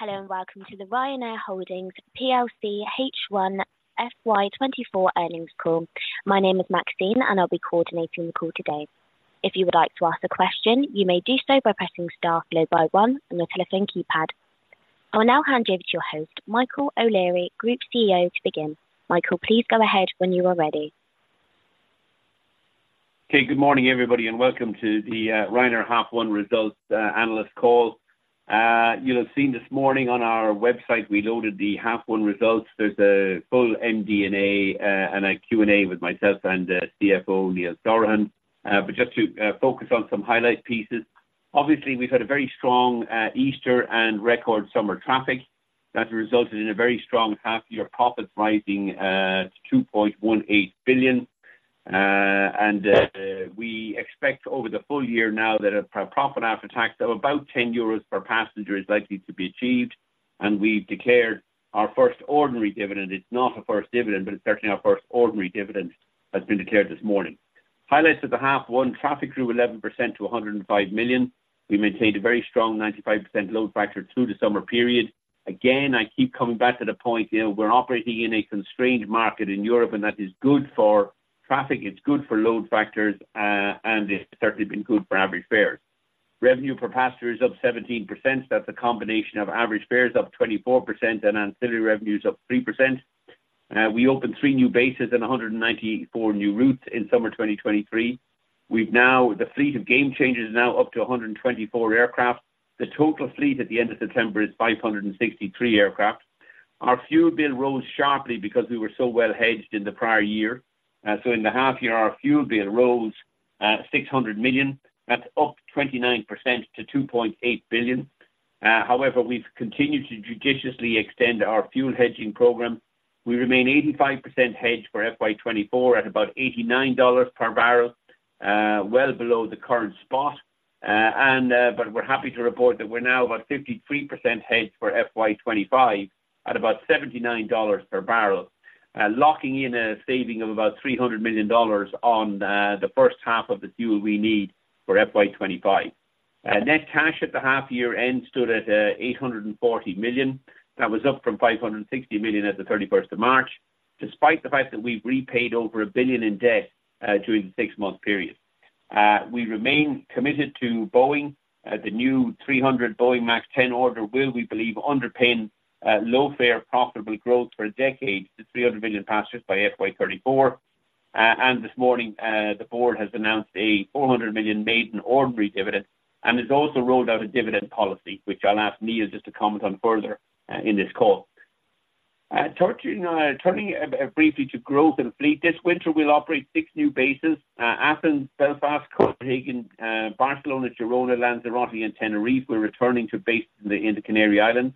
Hello, and welcome to the Ryanair Holdings plc H1 FY 2024 earnings call. My name is Maxine, and I'll be coordinating the call today. If you would like to ask a question, you may do so by pressing star followed by one on your telephone keypad. I will now hand over to your host, Michael O'Leary, Group CEO, to begin. Michael, please go ahead when you are ready. Okay. Good morning, everybody, and welcome to the Ryanair half one results analyst call. You'll have seen this morning on our website, we loaded the half one results. There's a full MD&A and a Q&A with myself and CFO Neil Sorahan. Just to focus on some highlight pieces. Obviously, we've had a very strong Easter and record summer traffic that has resulted in a very strong half-year profits rising to 2.18 billion. And we expect over the full year now that a profit after tax of about 10 euros per passenger is likely to be achieved, and we've declared our first ordinary dividend. It's not a first dividend, but it's certainly our first ordinary dividend has been declared this morning. Highlights of the half one, traffic grew 11% to 105 million. We maintained a very strong 95% load factor through the summer period. Again, I keep coming back to the point, you know, we're operating in a constrained market in Europe, and that is good for traffic, it's good for load factors, and it's certainly been good for average fares. Revenue per passenger is up 17%. That's a combination of average fares up 24% and Ancillary revenues up 3%. We opened three new bases and 194 new routes in summer 2023. We've now the fleet of Gamechanger is now up to 124 aircraft. The total fleet at the end of September is 563 aircraft. Our fuel bill rose sharply because we were so well hedged in the prior year. So in the half year, our fuel bill rose 600 million. That's up 29% to 2.8 billion. However, we've continued to judiciously extend our fuel hedging program. We remain 85% hedged for FY 2024 at about $89 per barrel, well below the current spot. And, but we're happy to report that we're now about 53% hedged for FY 2025 at about $79 per barrel, locking in a saving of about $300 million on the first half of the fuel we need for FY 2025. Net cash at the half-year end stood at 840 million. That was up from 560 million at 31st of March, despite the fact that we've repaid over 1 billion in debt during the six-month period. We remain committed to Boeing. The new 300 Boeing MAX-10 order will, we believe, underpin low-fare profitable growth for a decade to 300 million passengers by FY 2034. And this morning, the board has announced a 400 million maiden ordinary dividend and has also rolled out a dividend policy, which I'll ask Neil just to comment on further in this call. Turning briefly to growth and fleet. This winter, we'll operate six new bases: Athens, Belfast, Copenhagen, Barcelona, Girona, Lanzarote, and Tenerife. We're returning to bases in the Canary Islands.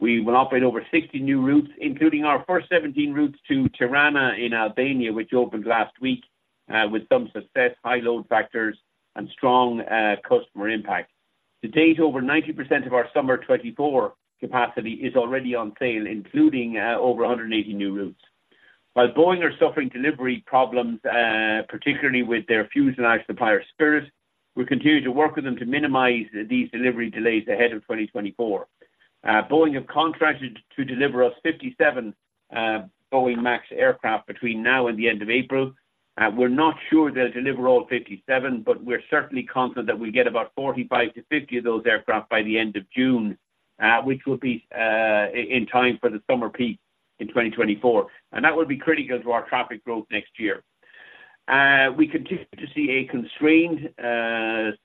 We will operate over 60 new routes, including our first 17 routes to Tirana in Albania, which opened last week with some success, high load factors and strong customer impact. To date, over 90% of our summer 2024 capacity is already on sale, including over 180 new routes. While Boeing are suffering delivery problems, particularly with their fuselage supplier, Spirit, we're continuing to work with them to minimize these delivery delays ahead of 2024. Boeing have contracted to deliver us 57 Boeing MAX aircraft between now and the end of April. We're not sure they'll deliver all 57, but we're certainly confident that we'll get about 45-50 of those aircraft by the end of June, which will be in time for the summer peak in 2024. And that will be critical to our traffic growth next year. We continue to see a constrained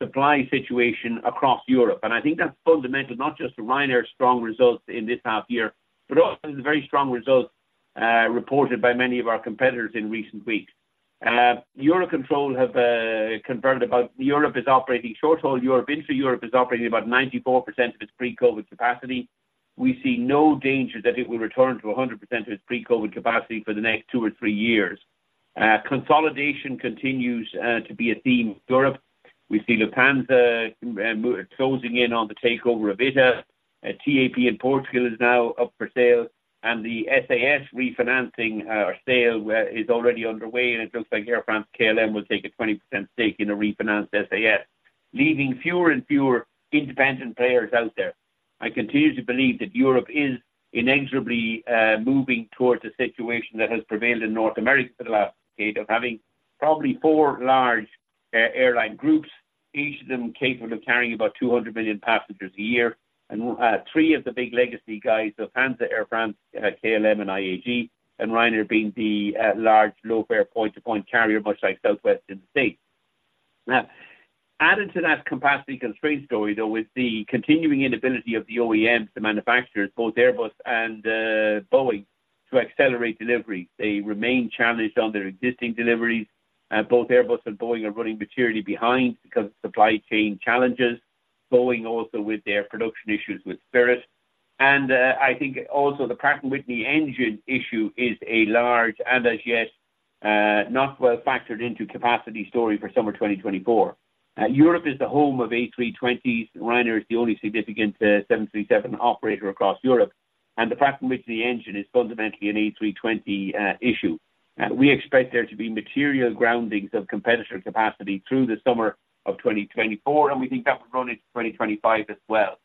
supply situation across Europe, and I think that's fundamental, not just to Ryanair's strong results in this half year, but also the very strong results reported by many of our competitors in recent weeks. Eurocontrol have confirmed about Europe is operating short-haul. Europe into Europe is operating about 94% of its pre-COVID capacity. We see no danger that it will return to 100% of its pre-COVID capacity for the next two or three years. Consolidation continues to be a theme in Europe. We see Lufthansa closing in on the takeover of ITA. TAP in Portugal is now up for sale, and the SAS refinancing, or sale, is already underway, and it looks like Air France-KLM will take a 20% stake in a refinanced SAS, leaving fewer and fewer independent players out there. I continue to believe that Europe is inexorably moving towards a situation that has prevailed in North America for the last decade, of having probably four large airline groups, each of them capable of carrying about 200 million passengers a year. And, three of the big legacy guys, Lufthansa, Air France-KLM, and IAG, and Ryanair being the large low-fare point-to-point carrier, much like Southwest in the States. Now, added to that capacity constraint story, though, with the continuing inability of the OEMs, the manufacturers, both Airbus and Boeing, to accelerate delivery. They remain challenged on their existing deliveries. Both Airbus and Boeing are running materially behind because of supply chain challenges. Boeing also with their production issues with Spirit. I think also the Pratt & Whitney engine issue is a large and as yet, not well factored into capacity story for summer 2024. Europe is the home of A320s. Ryanair is the only significant, 737 operator across Europe... and the fact in which the engine is fundamentally an A320 issue. We expect there to be material groundings of competitor capacity through the summer of 2024, and we think that will run into 2025 as well,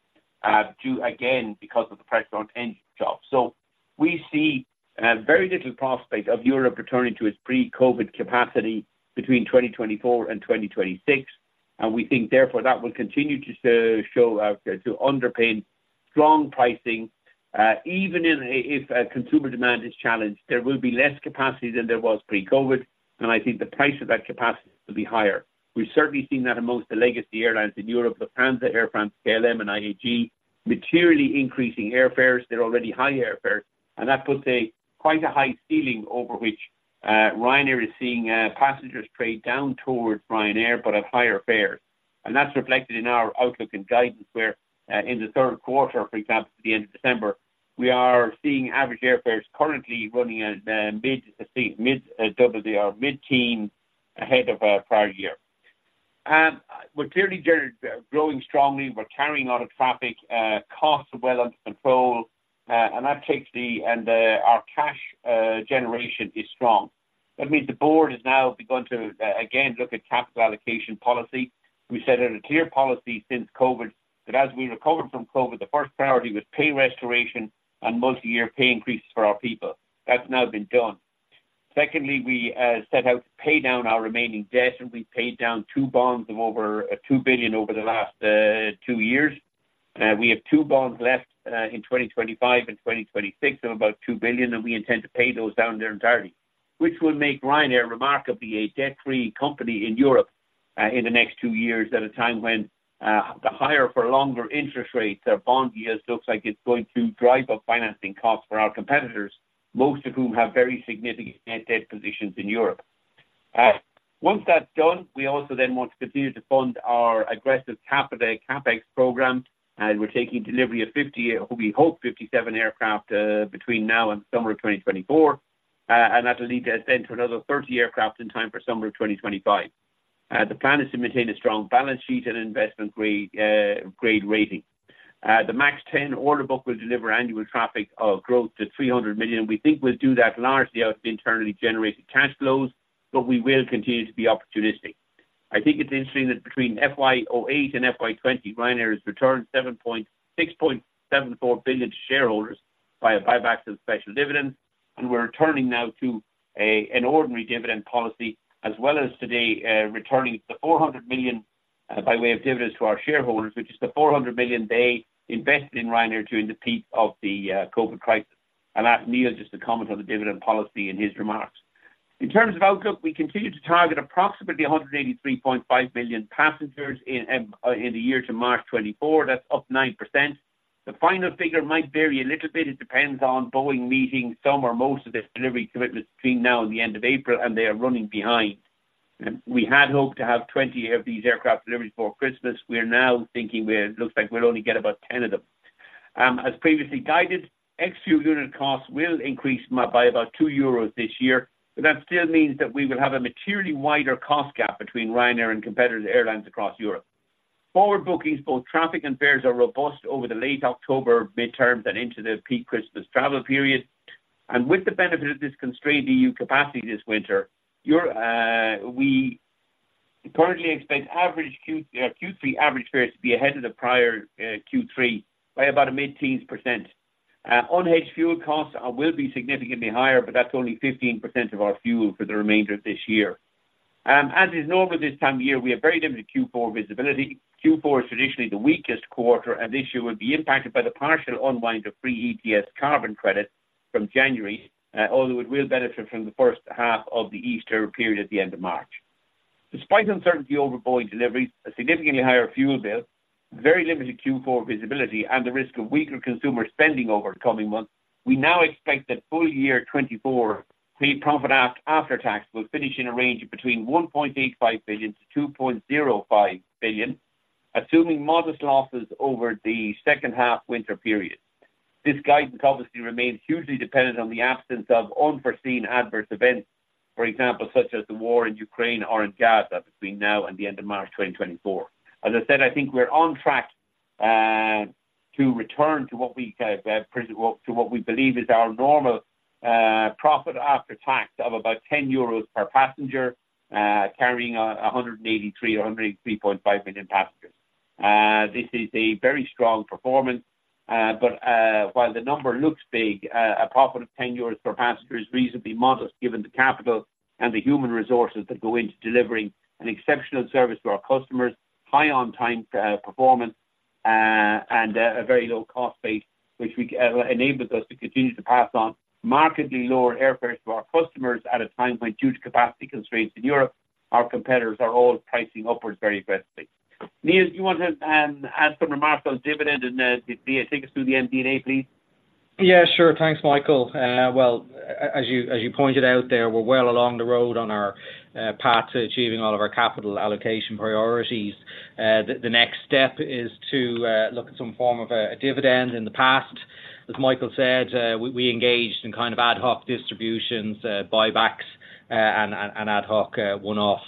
due again, because of the pressure on engine shops. We see very little prospect of Europe returning to its pre-COVID capacity between 2024 and 2026. We think therefore that will continue to show to underpin strong pricing, even if consumer demand is challenged, there will be less capacity than there was pre-COVID, and I think the price of that capacity will be higher. We've certainly seen that amongst the legacy airlines in Europe, Lufthansa, Air France-KLM, and IAG, materially increasing airfares. They're already high airfares, and that puts quite a high ceiling over which Ryanair is seeing passengers trade down towards Ryanair, but at higher fares. And that's reflected in our outlook and guidance, where in the third quarter, for example, the end of December, we are seeing average airfares currently running at mid-double or mid-teen ahead of prior year. And we're clearly growing strongly. We're carrying out of traffic, costs are well under control, and that takes the... Our cash generation is strong. That means the board is now begun to again look at capital allocation policy. We set out a clear policy since COVID, that as we recovered from COVID, the first priority was pay restoration and multi-year pay increases for our people. That's now been done. Secondly, we set out to pay down our remaining debt, and we paid down two bonds of over 2 billion over the last two years. We have two bonds left in 2025 and 2026, of about 2 billion, and we intend to pay those down in their entirety, which will make Ryanair remarkably a debt-free company in Europe in the next two years, at a time when the higher for longer interest rates or bond yields looks like it's going to drive up financing costs for our competitors, most of whom have very significant net debt positions in Europe. Once that's done, we also then want to continue to fund our aggressive capital CapEx program, and we're taking delivery of 50, we hope 57 aircraft, between now and summer of 2024. And that'll lead to then to another 30 aircraft in time for summer of 2025. The plan is to maintain a strong balance sheet and investment grade rating. The MAX-10 order book will deliver annual traffic growth to 300 million. We think we'll do that largely out of internally generated cash flows, but we will continue to be opportunistic. I think it's interesting that between FY 2008 and FY 2020, Ryanair has returned 6.74 billion to shareholders via buybacks and special dividends. We're returning now to an ordinary dividend policy, as well as today returning the 400 million by way of dividends to our shareholders, which is the 400 million they invested in Ryanair during the peak of the COVID crisis. I'll ask Neil just to comment on the dividend policy in his remarks. In terms of outlook, we continue to target approximately 183.5 billion passengers in the year to March 2024. That's up 9%. The final figure might vary a little bit. It depends on Boeing meeting some or most of its delivery commitments between now and the end of April, and they are running behind. We had hoped to have 20 of these aircraft delivered before Christmas. We are now thinking it looks like we'll only get about 10 of them. As previously guided, ex-fuel unit costs will increase by about 2 euros this year, but that still means that we will have a materially wider cost gap between Ryanair and competitor airlines across Europe. Forward bookings, both traffic and fares, are robust over the late October mid-terms and into the peak Christmas travel period. And with the benefit of this constrained EU capacity this winter, Europe, we currently expect average Q3 average fares to be ahead of the prior Q3 by about a mid-teens percent. Unhedged fuel costs will be significantly higher, but that's only 15% of our fuel for the remainder of this year. As is normal this time of year, we have very limited Q4 visibility. Q4 is traditionally the weakest quarter, and this year will be impacted by the partial unwind of free ETS carbon credits from January. Although it will benefit from the first half of the Easter period at the end of March. Despite uncertainty over Boeing deliveries, a significantly higher fuel bill, very limited Q4 visibility, and the risk of weaker consumer spending over the coming months, we now expect that full year 2024 pre-profit after tax will finish in a range of between 1.85 billion-2.05 billion, assuming modest losses over the second half winter period. This guidance obviously remains hugely dependent on the absence of unforeseen adverse events, for example, such as the war in Ukraine or in Gaza, between now and the end of March 2024. As I said, I think we're on track to return to what we believe is our normal profit after tax of about 10 euros per passenger carrying 183 or 183.5 million passengers. This is a very strong performance, but while the number looks big, a profit of 10 euros per passenger is reasonably modest, given the capital and the human resources that go into delivering an exceptional service to our customers, high on-time performance, and a very low cost base, which enables us to continue to pass on markedly lower airfares to our customers at a time when, due to capacity constraints in Europe, our competitors are all pricing upwards very aggressively. Neil, do you want to add some remarks on dividend and take us through the MD&A, please? Yeah, sure. Thanks, Michael. Well, as you pointed out there, we're well along the road on our path to achieving all of our capital allocation priorities. The next step is to look at some form of a dividend. In the past, as Michael said, we engaged in kind of ad hoc distributions, buybacks, and ad hoc one-off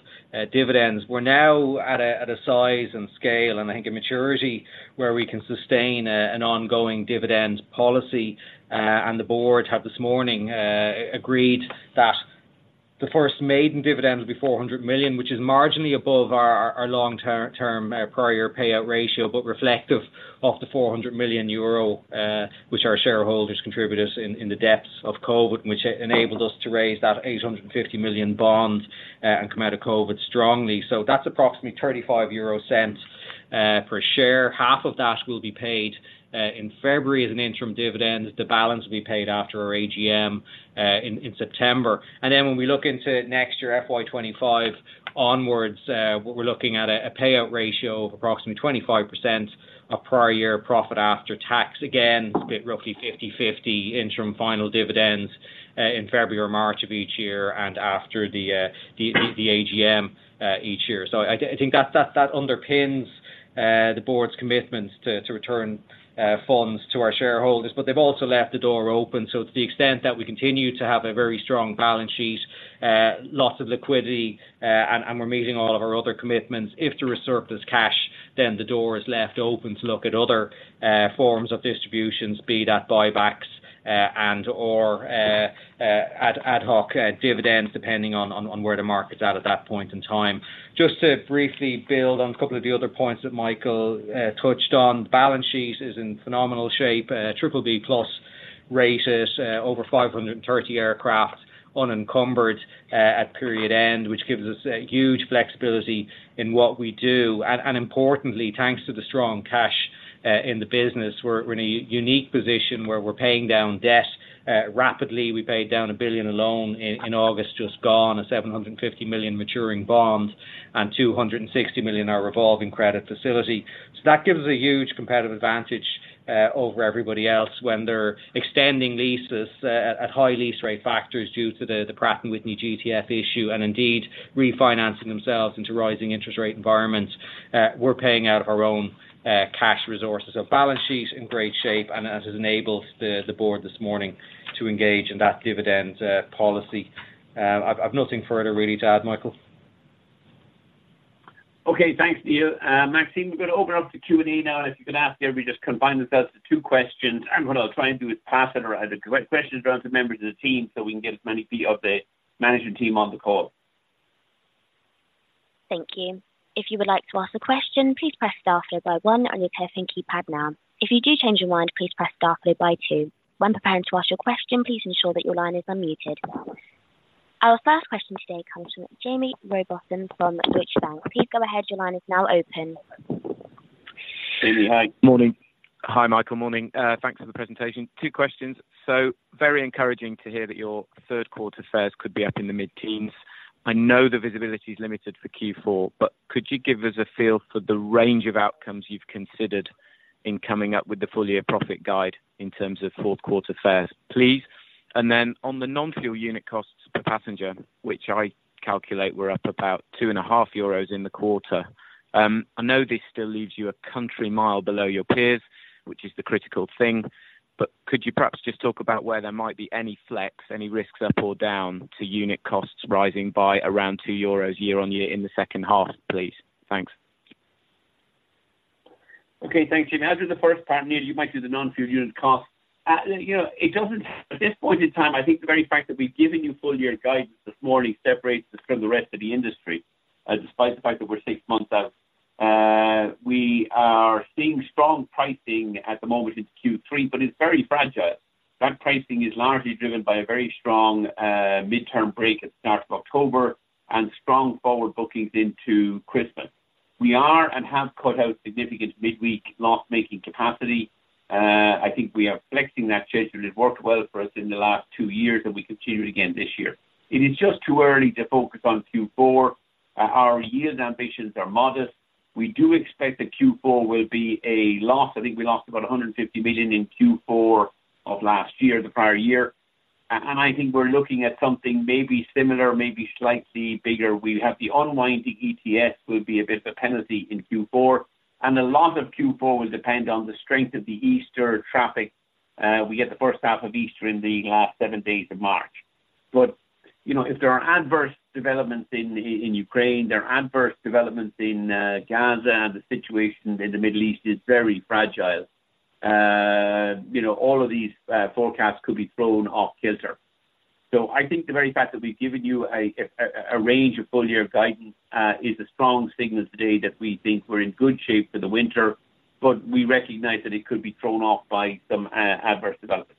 dividends. We're now at a size and scale, and I think a maturity, where we can sustain an ongoing dividend policy. And the board have this morning agreed that the first maiden dividend will be 400 million, which is marginally above our long-term prior payout ratio, but reflective of the 400 million euro which our shareholders contributed in the depths of COVID, which enabled us to raise that 850 million bonds and come out of COVID strongly. So that's approximately 0.35 per share. Half of that will be paid in February as an interim dividend, the balance will be paid after our AGM in September. And then when we look into next year, FY 2025 onwards, we're looking at a payout ratio of approximately 25% of prior year profit after tax. Again, split roughly 50/50 interim, final dividends, in February or March of each year, and after the AGM each year. So I think that underpins the board's commitments to return funds to our shareholders, but they've also left the door open. So to the extent that we continue to have a very strong balance sheet, lots of liquidity, and we're meeting all of our other commitments, if there is surplus cash, then the door is left open to look at other forms of distributions, be that buybacks, and/or ad hoc dividends, depending on where the market's at, at that point in time. Just to briefly build on a couple of the other points that Michael touched on. Balance sheet is in phenomenal shape, BBB+ rated, over 530 aircraft, unencumbered, at period end, which gives us huge flexibility in what we do. And importantly, thanks to the strong cash in the business, we're in a unique position where we're paying down debt rapidly. We paid down 1 billion alone in August, just gone, 750 million maturing bonds, and 260 million, our revolving credit facility. So that gives us a huge competitive advantage over everybody else when they're extending leases at high lease rate factors due to the Pratt & Whitney GTF issue, and indeed refinancing themselves into rising interest rate environments. We're paying out of our own cash resources. So balance sheet's in great shape, and as it enables the board this morning to engage in that dividend policy. I've nothing further really to add, Michael. Okay, thanks, Neil. Maxine, we're going to open up to Q&A now, and if you can ask everybody just combine themselves to two questions. What I'll try and do is pass it around, the questions around to members of the team, so we can get as many of the management team on the call. Thank you. If you would like to ask a question, please press star followed by one on your telephone keypad now. If you do change your mind, please press star followed by two. When preparing to ask your question, please ensure that your line is unmuted. Our first question today comes from Jamie Rowbotham from Deutsche Bank. Please go ahead. Your line is now open. Jamie, hi. Morning. Hi, Michael. Morning. Thanks for the presentation. Two questions. So, very encouraging to hear that your third quarter fares could be up in the mid-teens. I know the visibility is limited for Q4, but could you give us a feel for the range of outcomes you've considered in coming up with the full year profit guide in terms of fourth quarter fares, please? And then on the non-fuel unit costs per passenger, which I calculate were up about 2.5 euros in the quarter. I know this still leaves you a country mile below your peers, which is the critical thing. But could you perhaps just talk about where there might be any flex, any risks up or down to unit costs rising by around 2 euros year-on-year in the second half, please? Thanks. Okay, thanks, Jamie. I'll do the first part, Neil, you might do the non-fuel unit cost. You know, it doesn't at this point in time, I think the very fact that we've given you full year guidance this morning separates us from the rest of the industry, despite the fact that we're six months out. We are seeing strong pricing at the moment in Q3, but it's very fragile. That pricing is largely driven by a very strong midterm break at the start of October, and strong forward bookings into Christmas. We are and have cut out significant midweek loss-making capacity. I think we are flexing that schedule. It worked well for us in the last two years, and we continue it again this year. It is just too early to focus on Q4. Our yield ambitions are modest. We do expect that Q4 will be a loss. I think we lost about 150 million in Q4 of last year, the prior year. And I think we're looking at something maybe similar, maybe slightly bigger. We have the unwinding ETS will be a bit of a penalty in Q4, and a lot of Q4 will depend on the strength of the Easter traffic. We get the first half of Easter in the last seven days of March. But, you know, if there are adverse developments in Ukraine, there are adverse developments in Gaza, and the situation in the Middle East is very fragile. You know, all of these forecasts could be thrown off kilter. So I think the very fact that we've given you a range of full year guidance is a strong signal today that we think we're in good shape for the winter, but we recognize that it could be thrown off by some adverse developments.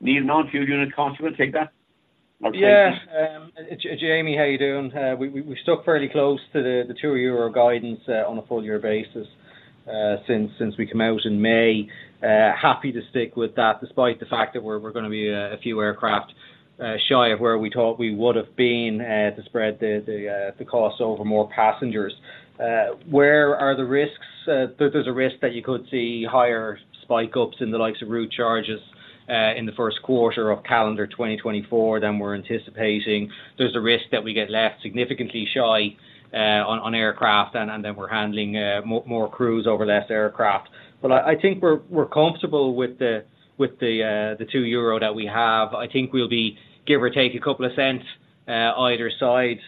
Neil, non-fuel unit cost, you want to take that? Yeah. Jamie, how are you doing? We've stuck fairly close to the two-year guidance on a full year basis since we came out in May. Happy to stick with that, despite the fact that we're gonna be a few aircraft shy of where we thought we would have been to spread the costs over more passengers. Where are the risks? There's a risk that you could see higher spike ups in the likes of route charges in the first quarter of calendar 2024 than we're anticipating. There's a risk that we get left significantly shy on aircraft, and then we're handling more crews over less aircraft. But I think we're comfortable with the 2 euro that we have. I think we'll be, give or take a couple of cents, either side....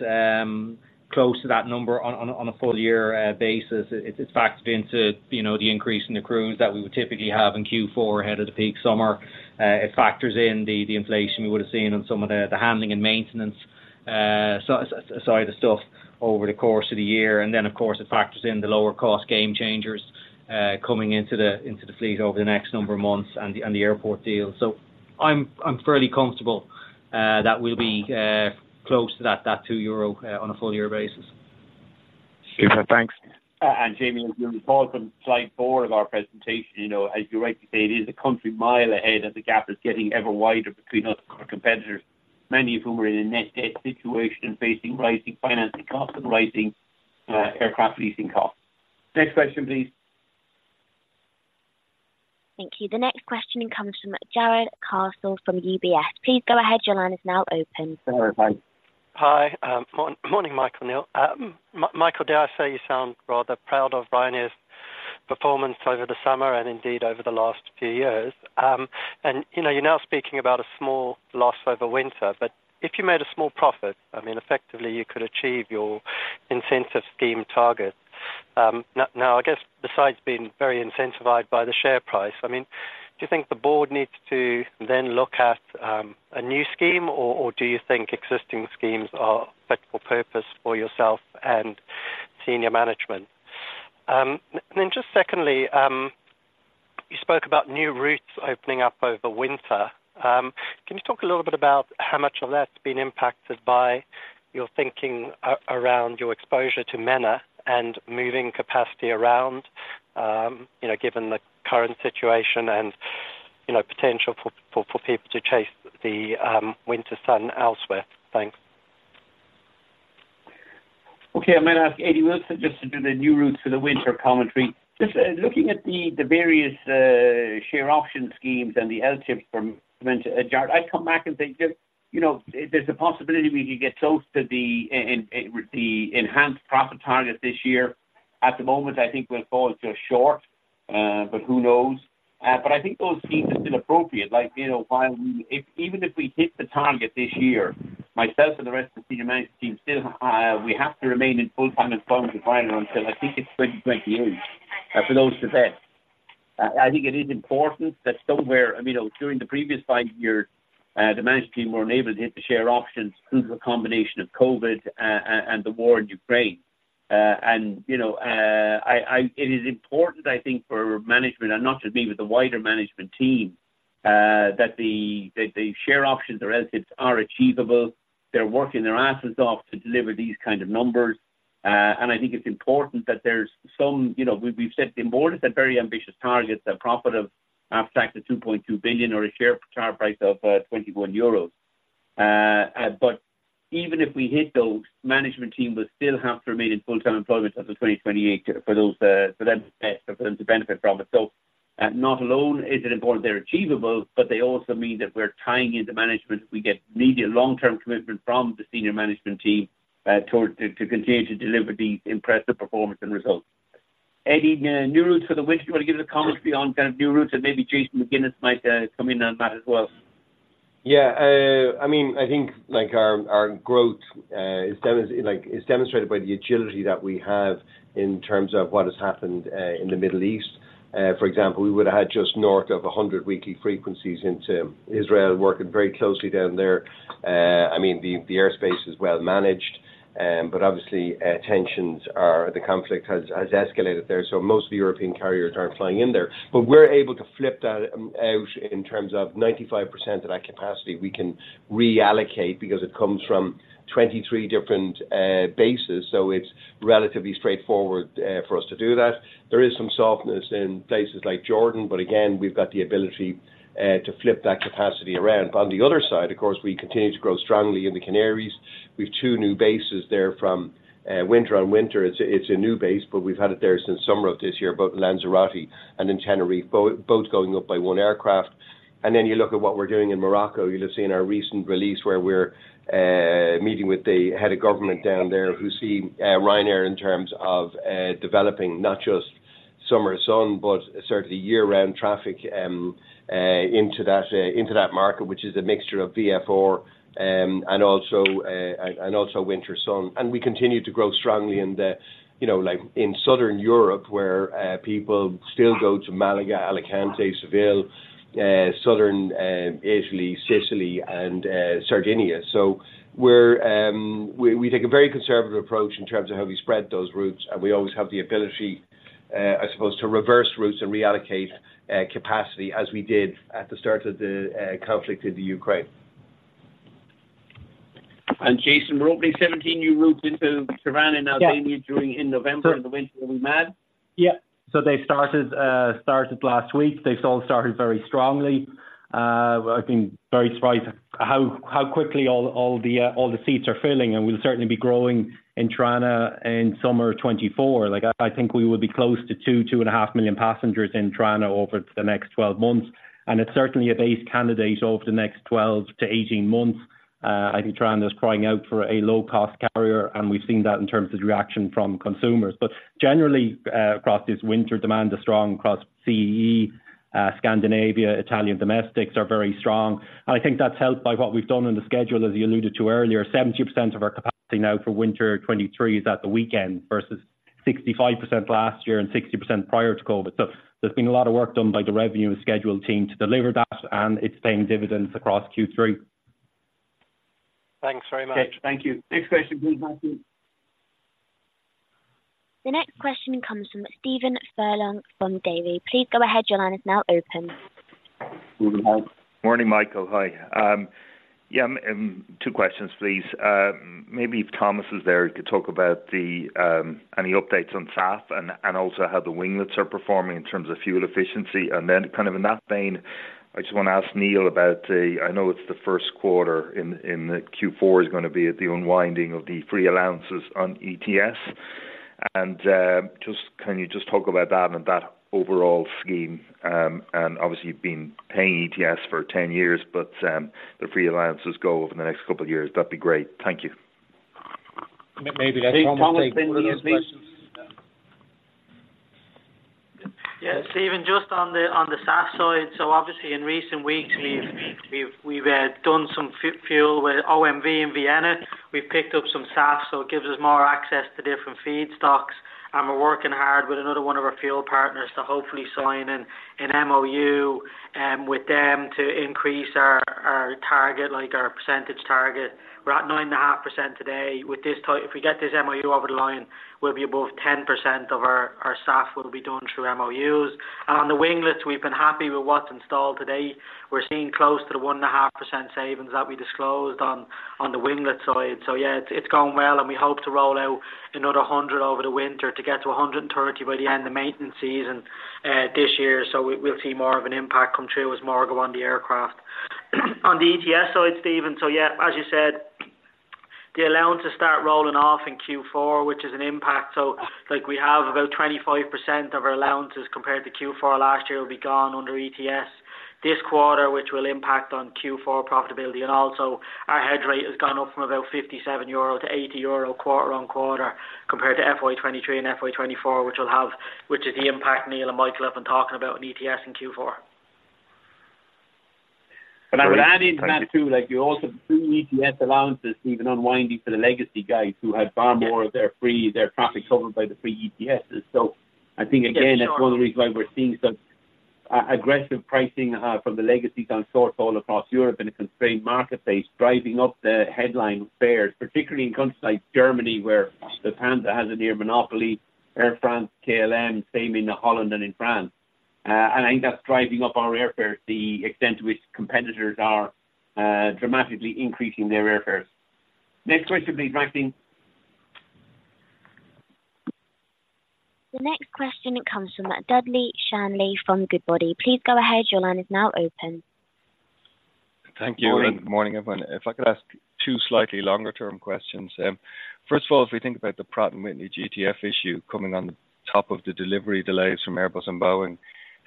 close to that number on a full year basis. It factors into, you know, the increase in the crews that we would typically have in Q4 ahead of the peak summer. It factors in the inflation we would've seen on some of the handling and maintenance side of stuff over the course of the year. And then, of course, it factors in the lower cost Gamechangers coming into the fleet over the next number of months and the airport deal. So I'm fairly comfortable that we'll be close to that 2 euro on a full year basis. Super. Thanks. And Jamie, as you recall from slide four of our presentation, you know, as you rightly say, it is a country mile ahead, and the gap is getting ever wider between us and our competitors, many of whom are in a net debt situation, facing rising financing costs and rising aircraft leasing costs. Next question, please. Thank you. The next question comes from Jarrod Castle from UBS. Please go ahead. Your line is now open. All right, thanks. Hi. Morning, Michael and Neil. Michael, dare I say you sound rather proud of Ryanair's performance over the summer and indeed over the last few years. And, you know, you're now speaking about a small loss over winter, but if you made a small profit, I mean, effectively you could achieve your incentive scheme target. Now, I guess besides being very incentivized by the share price, I mean, do you think the board needs to then look at a new scheme, or do you think existing schemes are fit for purpose for yourself and senior management? And then just secondly, you spoke about new routes opening up over winter. Can you talk a little bit about how much of that's been impacted by your thinking around your exposure to MENA and moving capacity around, you know, given the current situation and, you know, potential for people to chase the winter sun elsewhere? Thanks. Okay. I might ask Eddie Wilson just to do the new routes for the winter commentary. Just looking at the various share option schemes and the LTIPs from Jarrod, I'd come back and think that, you know, there's a possibility we could get close to the enhanced profit target this year. At the moment, I think we'll fall just short, but who knows? But I think those schemes are still appropriate. Like, you know, while we... If even if we hit the target this year, myself and the rest of the senior management team still, we have to remain in full-time employment with Ryanair until I think it's 2028 for those to vest. I think it is important that somewhere, you know, during the previous five years, the management team were enabled to hit the share options due to a combination of COVID and the war in Ukraine. It is important, I think, for management, and not just me, but the wider management team, that the share options or LTIPs are achievable. They're working their asses off to deliver these kind of numbers. I think it's important that there's some... You know, we've set the bar at very ambitious targets, a profit after tax of 2.2 billion, or a share price of 21 euros. But even if we hit those, management team will still have to remain in full-time employment until 2028 for those, for them to vest or for them to benefit from it. So, not alone is it important they're achievable, but they also mean that we're tying into management. We get immediate long-term commitment from the senior management team, toward, to, to continue to deliver the impressive performance and results. Eddie, new routes for the winter. Do you want to give us a commentary on kind of new routes and maybe Jason McGuinness might come in on that as well? Yeah. I mean, I think, like, our growth is demonstrated by the agility that we have in terms of what has happened in the Middle East. For example, we would've had just north of 100 weekly frequencies into Israel, working very closely down there. I mean, the airspace is well managed, but obviously, the conflict has escalated there, so most of the European carriers aren't flying in there. But we're able to flip that out in terms of 95% of that capacity we can reallocate because it comes from 23 different bases, so it's relatively straightforward for us to do that. There is some softness in places like Jordan, but again, we've got the ability to flip that capacity around. On the other side, of course, we continue to grow strongly in the Canaries. We've two new bases there from winter on winter. It's a new base, but we've had it there since summer of this year, both Lanzarote and in Tenerife, both going up by one aircraft. And then you look at what we're doing in Morocco. You'll have seen our recent release, where we're meeting with the head of government down there who see Ryanair in terms of developing not just summer sun, but certainly year-round traffic into that market, which is a mixture of VFR and also winter sun. And we continue to grow strongly in the, you know, like in Southern Europe, where people still go to Malaga, Alicante, Seville, Southern Italy, Sicily and Sardinia. So we take a very conservative approach in terms of how we spread those routes, and we always have the ability, I suppose, to reverse routes and reallocate capacity, as we did at the start of the conflict in the Ukraine. Jason, we're opening 17 new routes into Tirana in Albania- Yeah. during in November, in the winter. Are we mad? Yeah. So they started last week. They've all started very strongly. I've been very surprised at how quickly all the seats are filling, and we'll certainly be growing in Tirana in summer of 2024. Like, I think we will be close to 2 million-2.5 million passengers in Tirana over the next 12 months, and it's certainly a base candidate over the next 12-18 months. I think Tirana is crying out for a low-cost carrier, and we've seen that in terms of reaction from consumers. But generally, across this winter, demand is strong across CEE. Scandinavia, Italian domestics are very strong, and I think that's helped by what we've done in the schedule. As you alluded to earlier, 70% of our capacity now for winter 2023 is at the weekend versus- 65% last year and 60% prior to COVID. So there's been a lot of work done by the revenue schedule team to deliver that, and it's paying dividends across Q3. Thanks very much. Okay, thank you. Next question, please, Maxine. The next question comes from Stephen Furlong from Davy. Please go ahead. Your line is now open. Morning, Michael. Hi. Yeah, two questions, please. Maybe if Thomas is there, he could talk about any updates on SAF and also how the winglets are performing in terms of fuel efficiency. And then kind of in that vein, I just want to ask Neil about the. I know it's the first quarter in the Q4 is going to be at the unwinding of the free allowances on ETS. And just can you just talk about that and that overall scheme? And obviously, you've been paying ETS for 10 years, but the free allowances go over the next couple of years. That'd be great. Thank you. M-maybe Thomas- Yeah, Stephen, just on the, on the SAF side. So obviously, in recent weeks, we've done some fuel with OMV in Vienna. We've picked up some SAF, so it gives us more access to different feedstocks. And we're working hard with another one of our fuel partners to hopefully sign an MOU with them to increase our, our target, like, our percentage target. We're at 9.5% today. With this if we get this MOU over the line, we'll be above 10% of our, our SAF will be done through MOUs. And on the winglets, we've been happy with what's installed today. We're seeing close to the 1.5% savings that we disclosed on, on the winglet side. So yeah, it's going well, and we hope to roll out another 100 over the winter to get to 130 by the end of maintenance season this year. So we'll see more of an impact come through as more go on the aircraft. On the ETS side, Stephen, so yeah, as you said, the allowances start rolling off in Q4, which is an impact. So, like, we have about 25% of our allowances compared to Q4 last year will be gone under ETS this quarter, which will impact on Q4 profitability. And also, our hedge rate has gone up from about 57-80 euro quarter on quarter, compared to FY 2023 and FY 2024, which is the impact Neil and Michael have been talking about in ETS and Q4. I would add into that, too, like you also, free ETS allowances, even unwinding for the legacy guys who had far more- Yeah. of their fleet, their traffic covered by the free ETS. So I think, again. Yeah, sure. That's one of the reasons why we're seeing some aggressive pricing from the legacies on short-haul all across Europe in a constrained marketplace, driving up the headline fares, particularly in countries like Germany, where Lufthansa has a near monopoly. Air France-KLM, same in Holland and in France. And I think that's driving up our airfares, the extent to which competitors are dramatically increasing their airfares. Next question, please, Maxine. The next question comes from Dudley Shanley from Goodbody. Please go ahead. Your line is now open. Thank you. Morning. Morning, everyone. If I could ask two slightly longer-term questions. First of all, if we think about the Pratt & Whitney GTF issue coming on top of the delivery delays from Airbus and Boeing,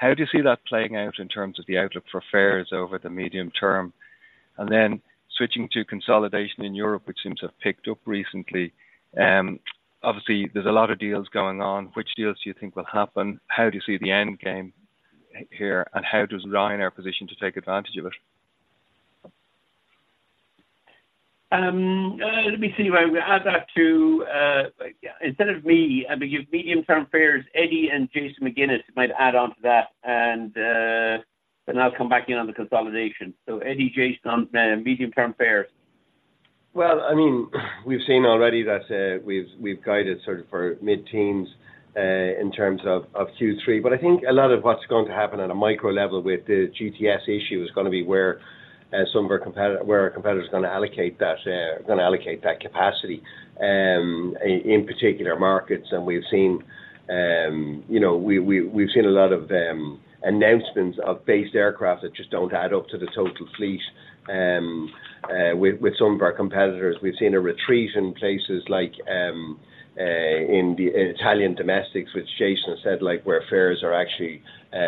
how do you see that playing out in terms of the outlook for fares over the medium term? And then switching to consolidation in Europe, which seems to have picked up recently, obviously there's a lot of deals going on. Which deals do you think will happen? How do you see the end game here, and how does Ryanair position to take advantage of it? Let me see. Well, add that to, instead of me, I mean, medium-term fares. Eddie and Jason McGuinness might add on to that, and, but I'll come back in on the consolidation. So Eddie, Jason, medium-term fares. Well, I mean, we've seen already that we've guided sort of for mid-teens in terms of Q3. But I think a lot of what's going to happen at a micro level with the GTF issue is going to be where some of our competitors are going to allocate that capacity in particular markets. And we've seen, you know, we've seen a lot of announcements of based aircraft that just don't add up to the total fleet. With some of our competitors, we've seen a retreat in places like Italian domestics, which Jason said, like, where fares are actually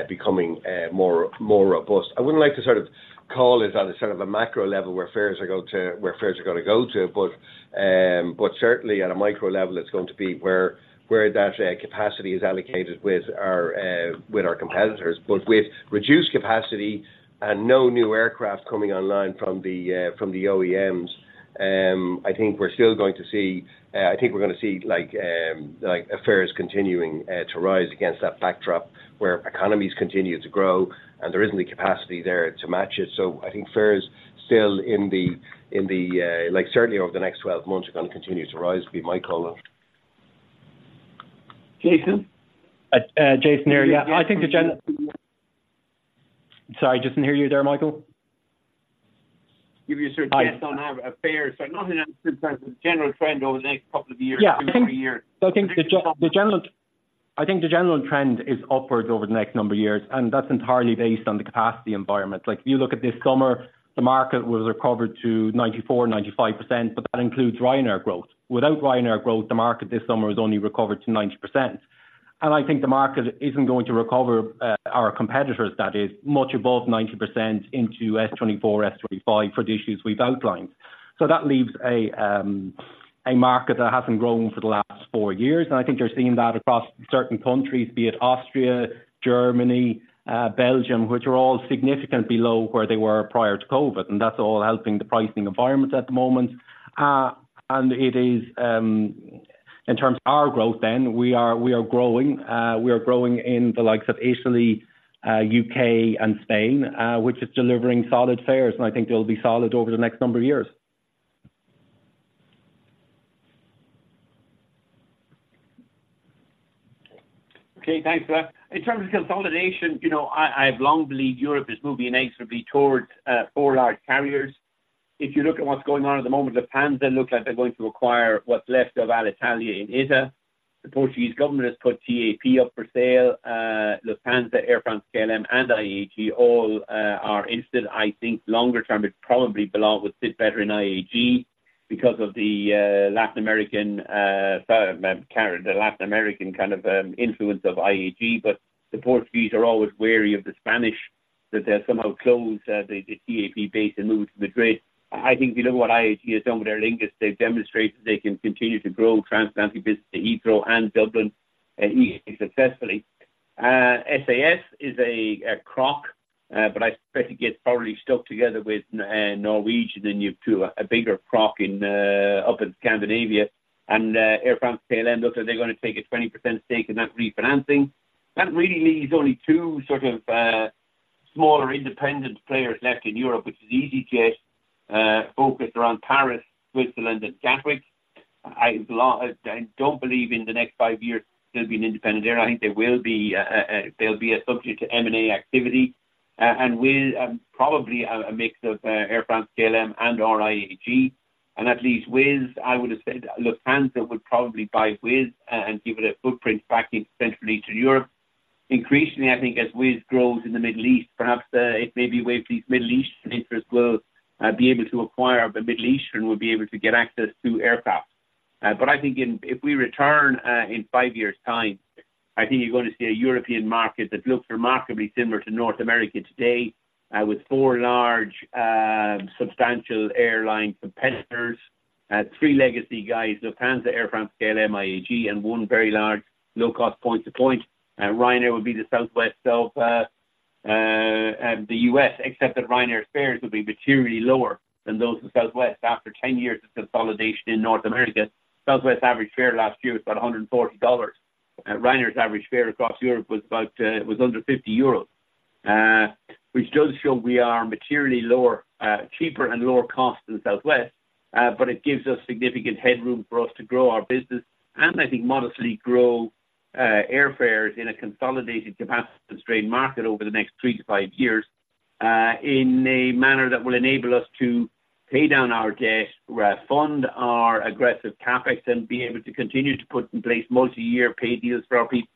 becoming more robust. I wouldn't like to sort of call it on a sort of a micro level, where fares are going to—where fares are going to go to, but, but certainly at a micro level, it's going to be where, where that, capacity is allocated with our, with our competitors. But with reduced capacity and no new aircraft coming online from the, from the OEMs, I think we're still going to see... I think we're going to see, like, like fares continuing, to rise against that backdrop, where economies continue to grow and there isn't the capacity there to match it. So I think fares still in the, in the, like certainly over the next 12 months, are going to continue to rise. Maybe Michael? Jason? Jason here. Sorry, I didn't hear you there, Michael. Give you a sort of guess- Hi on our fares. So not in that sense, but the general trend over the next couple of years. Yeah two, three years. So I think the general trend is upwards over the next number of years, and that's entirely based on the capacity environment. Like, if you look at this summer, the market was recovered to 94%-95%, but that includes Ryanair growth. Without Ryanair growth, the market this summer has only recovered to 90%. And I think the market isn't going to recover, our competitors that is, much above 90% into S24, S25 for the issues we've outlined. So that leaves a market that hasn't grown for the last four years, and I think you're seeing that across certain countries, be it Austria, Germany, Belgium, which are all significantly low where they were prior to COVID, and that's all helping the pricing environment at the moment. And it is, In terms of our growth then, we are, we are growing, we are growing in the likes of Italy, U.K. and Spain, which is delivering solid fares, and I think they'll be solid over the next number of years. Okay, thanks for that. In terms of consolidation, you know, I, I've long believed Europe is moving inexorably towards four large carriers. If you look at what's going on at the moment, Lufthansa look like they're going to acquire what's left of Alitalia in ITA. The Portuguese government has put TAP up for sale. Lufthansa, Air France-KLM, and IAG all are interested. I think longer-term, it probably belong, would fit better in IAG because of the Latin American carrier, the Latin American kind of influence of IAG. But the Portuguese are always wary of the Spanish, that they'll somehow close the TAP base and move to Madrid. I think if you look what IAG has done with Aer Lingus, they've demonstrated they can continue to grow transatlantic business to Heathrow and Dublin, IAG successfully. SAS is a crock, but I expect to get probably stuck together with Norwegian, and you've got a bigger crock up in Scandinavia. Air France-KLM looks like they're gonna take a 20% stake in that refinancing. That really leaves only two sort of smaller independent players left in Europe, which is easyJet, focused around Paris, Switzerland, and Gatwick. I don't believe in the next five years they'll be an independent airline. I think they will be, they'll be subject to M&A activity, and will probably a mix of Air France-KLM and IAG. And at least Wizz, I would have said Lufthansa would probably buy Wizz and give it a footprint back in central Eastern Europe. Increasingly, I think as Wizz grows in the Middle East, perhaps, it may be a way for these Middle Eastern interests will be able to acquire, but Middle Eastern will be able to get access to aircraft. But I think if we return in five years' time, I think you're going to see a European market that looks remarkably similar to North America today with four large substantial airline competitors. Three legacy guys, Lufthansa, Air France-KLM, IAG, and one very large low-cost point to point. Ryanair would be the Southwest of the U.S., except that Ryanair's fares would be materially lower than those of Southwest. After 10 years of consolidation in North America, Southwest average fare last year was about $140. Ryanair's average fare across Europe was under 50 euros. which does show we are materially lower, cheaper and lower cost than Southwest, but it gives us significant headroom for us to grow our business and I think modestly grow airfares in a consolidated capacity-constrained market over the next three to five years, in a manner that will enable us to pay down our debt, refund our aggressive CapEx, and be able to continue to put in place multi-year pay deals for our people.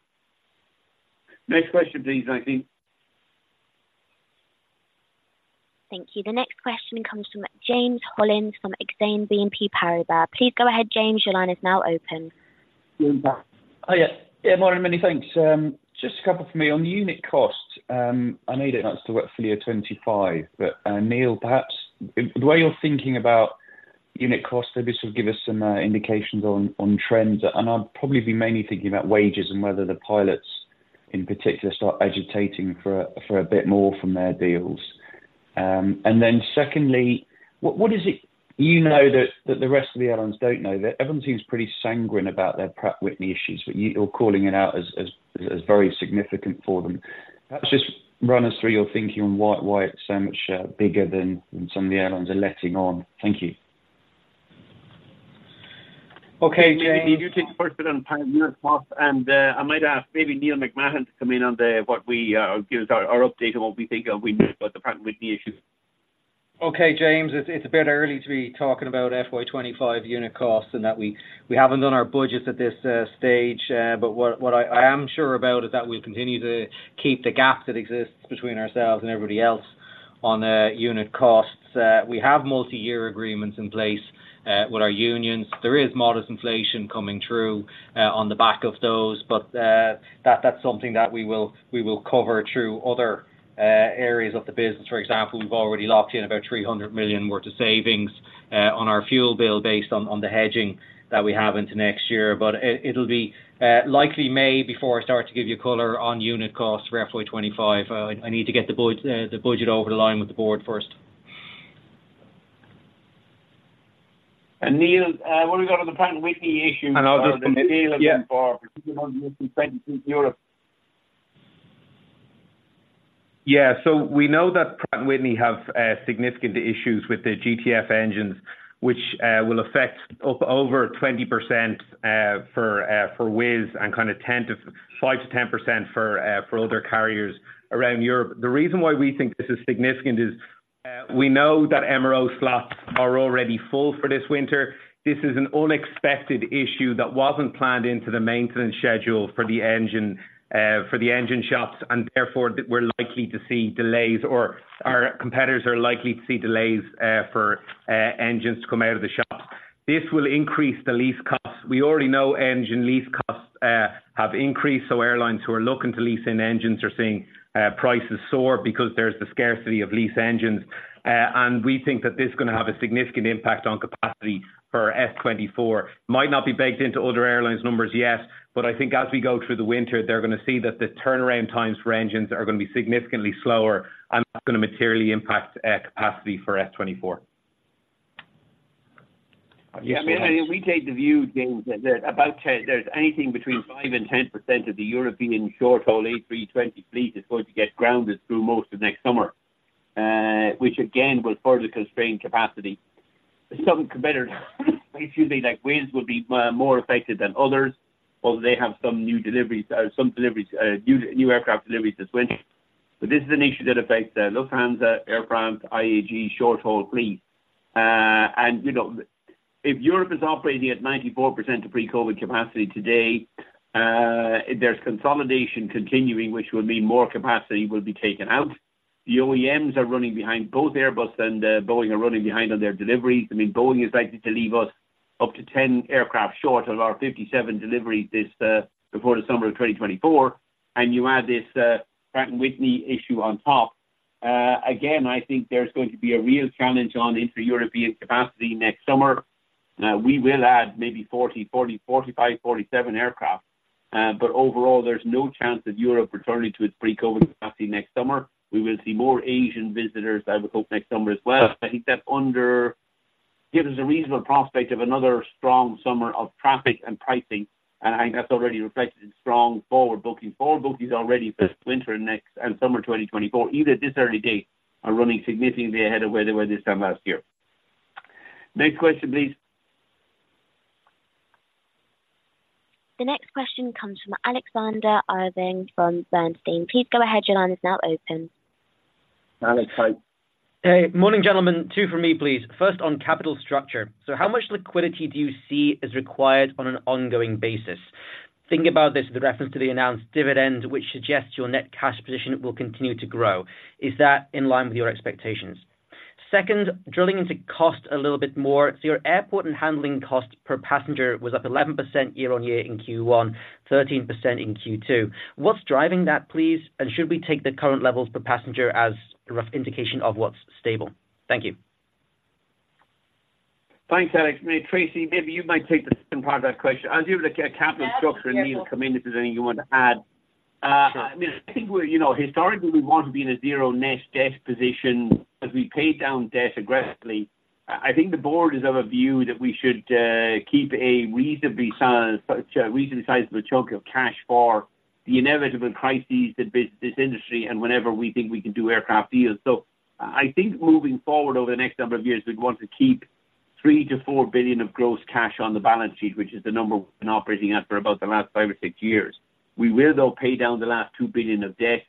Next question, please, Maxine. Thank you. The next question comes from James Hollins from Exane BNP Paribas. Please go ahead, James. Your line is now open. Hiya. Yeah, morning, many thanks. Just a couple for me. On unit cost, I know you don't like to work full year 25, but, Neil, perhaps the way you're thinking about unit costs, maybe this will give us some indications on, on trends. I'd probably be mainly thinking about wages and whether the pilots, in particular, start agitating for, for a bit more from their deals. And then secondly, what, what is it you know that, that the rest of the airlines don't know? That everyone seems pretty sanguine about their Pratt & Whitney issues, but you, you're calling it out as, as, as very significant for them. Perhaps just run us through your thinking on why, why it's so much, bigger than, than some of the airlines are letting on. Thank you. Okay, James, you take the first bit on unit cost, and I might ask maybe Neil Sorahan to come in on what we give us our update on what we think about the Pratt & Whitney issues. Okay, James, it's a bit early to be talking about FY 2025 unit costs and that we haven't done our budgets at this stage, but what I am sure about is that we'll continue to keep the gap that exists between ourselves and everybody else on unit costs. We have multiyear agreements in place with our unions. There is modest inflation coming through on the back of those, but that's something that we will cover through other areas of the business. For example, we've already locked in about 300 million worth of savings on our fuel bill based on the hedging that we have into next year. But it'll be likely May before I start to give you color on unit costs for FY 2025. I need to get the budget over the line with the board first. Neil, what we got on the Pratt & Whitney issue? And I'll- For particularly in Europe. Yeah. So we know that Pratt & Whitney have significant issues with their GTF engines, which will affect up over 20%, for Wizz and kind of 5%-10% for other carriers around Europe. The reason why we think this is significant is, we know that MRO slots are already full for this winter. This is an unexpected issue that wasn't planned into the maintenance schedule for the engine, for the engine shops, and therefore, we're likely to see delays, or our competitors are likely to see delays, for engines to come out of the shops. This will increase the lease costs. We already know engine lease costs have increased, so airlines who are looking to lease in engines are seeing prices soar because there's the scarcity of lease engines. And we think that this is gonna have a significant impact on capacity for FY 2024. Might not be baked into other airlines' numbers yet, but I think as we go through the winter, they're gonna see that the turnaround times for engines are gonna be significantly slower and that's gonna materially impact capacity for FY 2024. Yeah, I mean, we take the view, James, that there's anything between 5%-10% of the European short-haul A320 fleet is going to get grounded through most of next summer. Which again, will further constrain capacity. Some competitors, excuse me, like Wizz will be more affected than others, although they have some new aircraft deliveries this winter. But this is an issue that affects Lufthansa, Air France, IAG short-haul fleet. And, you know, if Europe is operating at 94% of pre-COVID capacity today, there's consolidation continuing, which will mean more capacity will be taken out. The OEMs are running behind. Both Airbus and Boeing are running behind on their deliveries. I mean, Boeing is likely to leave us up to 10 aircraft short of our 57 deliveries this before the summer of 2024, and you add this Pratt & Whitney issue on top. Again, I think there's going to be a real challenge on intra-European capacity next summer. We will add maybe 40, 40, 45, 47 aircraft, but overall, there's no chance of Europe returning to its pre-COVID capacity next summer. We will see more Asian visitors, I would hope, next summer as well. I think that under... gives us a reasonable prospect of another strong summer of traffic and pricing, and I think that's already reflected in strong forward booking. Forward bookings already for winter next and summer 2024, even at this early date, are running significantly ahead of where they were this time last year. Next question, please. The next question comes from Alexander Irving from Bernstein. Please go ahead. Your line is now open. Alex, hi. Hey. Morning, gentlemen. Two for me, please. First, on capital structure. So how much liquidity do you see is required on an ongoing basis? Thinking about this with reference to the announced dividend, which suggests your net cash position will continue to grow. Is that in line with your expectations? Second, drilling into cost a little bit more. So your airport and handling cost per passenger was up 11% year-over-year in Q1, 13% in Q2. What's driving that, please? And should we take the current levels per passenger as a rough indication of what's stable? Thank you. Thanks, Alex. Tracey, maybe you might take the second part of that question. I'll deal with the capital structure, and, Neil, come in if there's anything you want to add. Sure. I mean, I think we're, you know, historically, we want to be in a zero net debt position as we pay down debt aggressively. I, I think the board is of a view that we should keep a reasonably sized, reasonably sizable chunk of cash for the inevitable crises that hit this industry and whenever we think we can do aircraft deals. So I think moving forward over the next number of years, we'd want to keep 3 billion-4 billion of gross cash on the balance sheet, which is the number we've been operating at for about the last five or sixyears. We will, though, pay down the last 2 billion of debt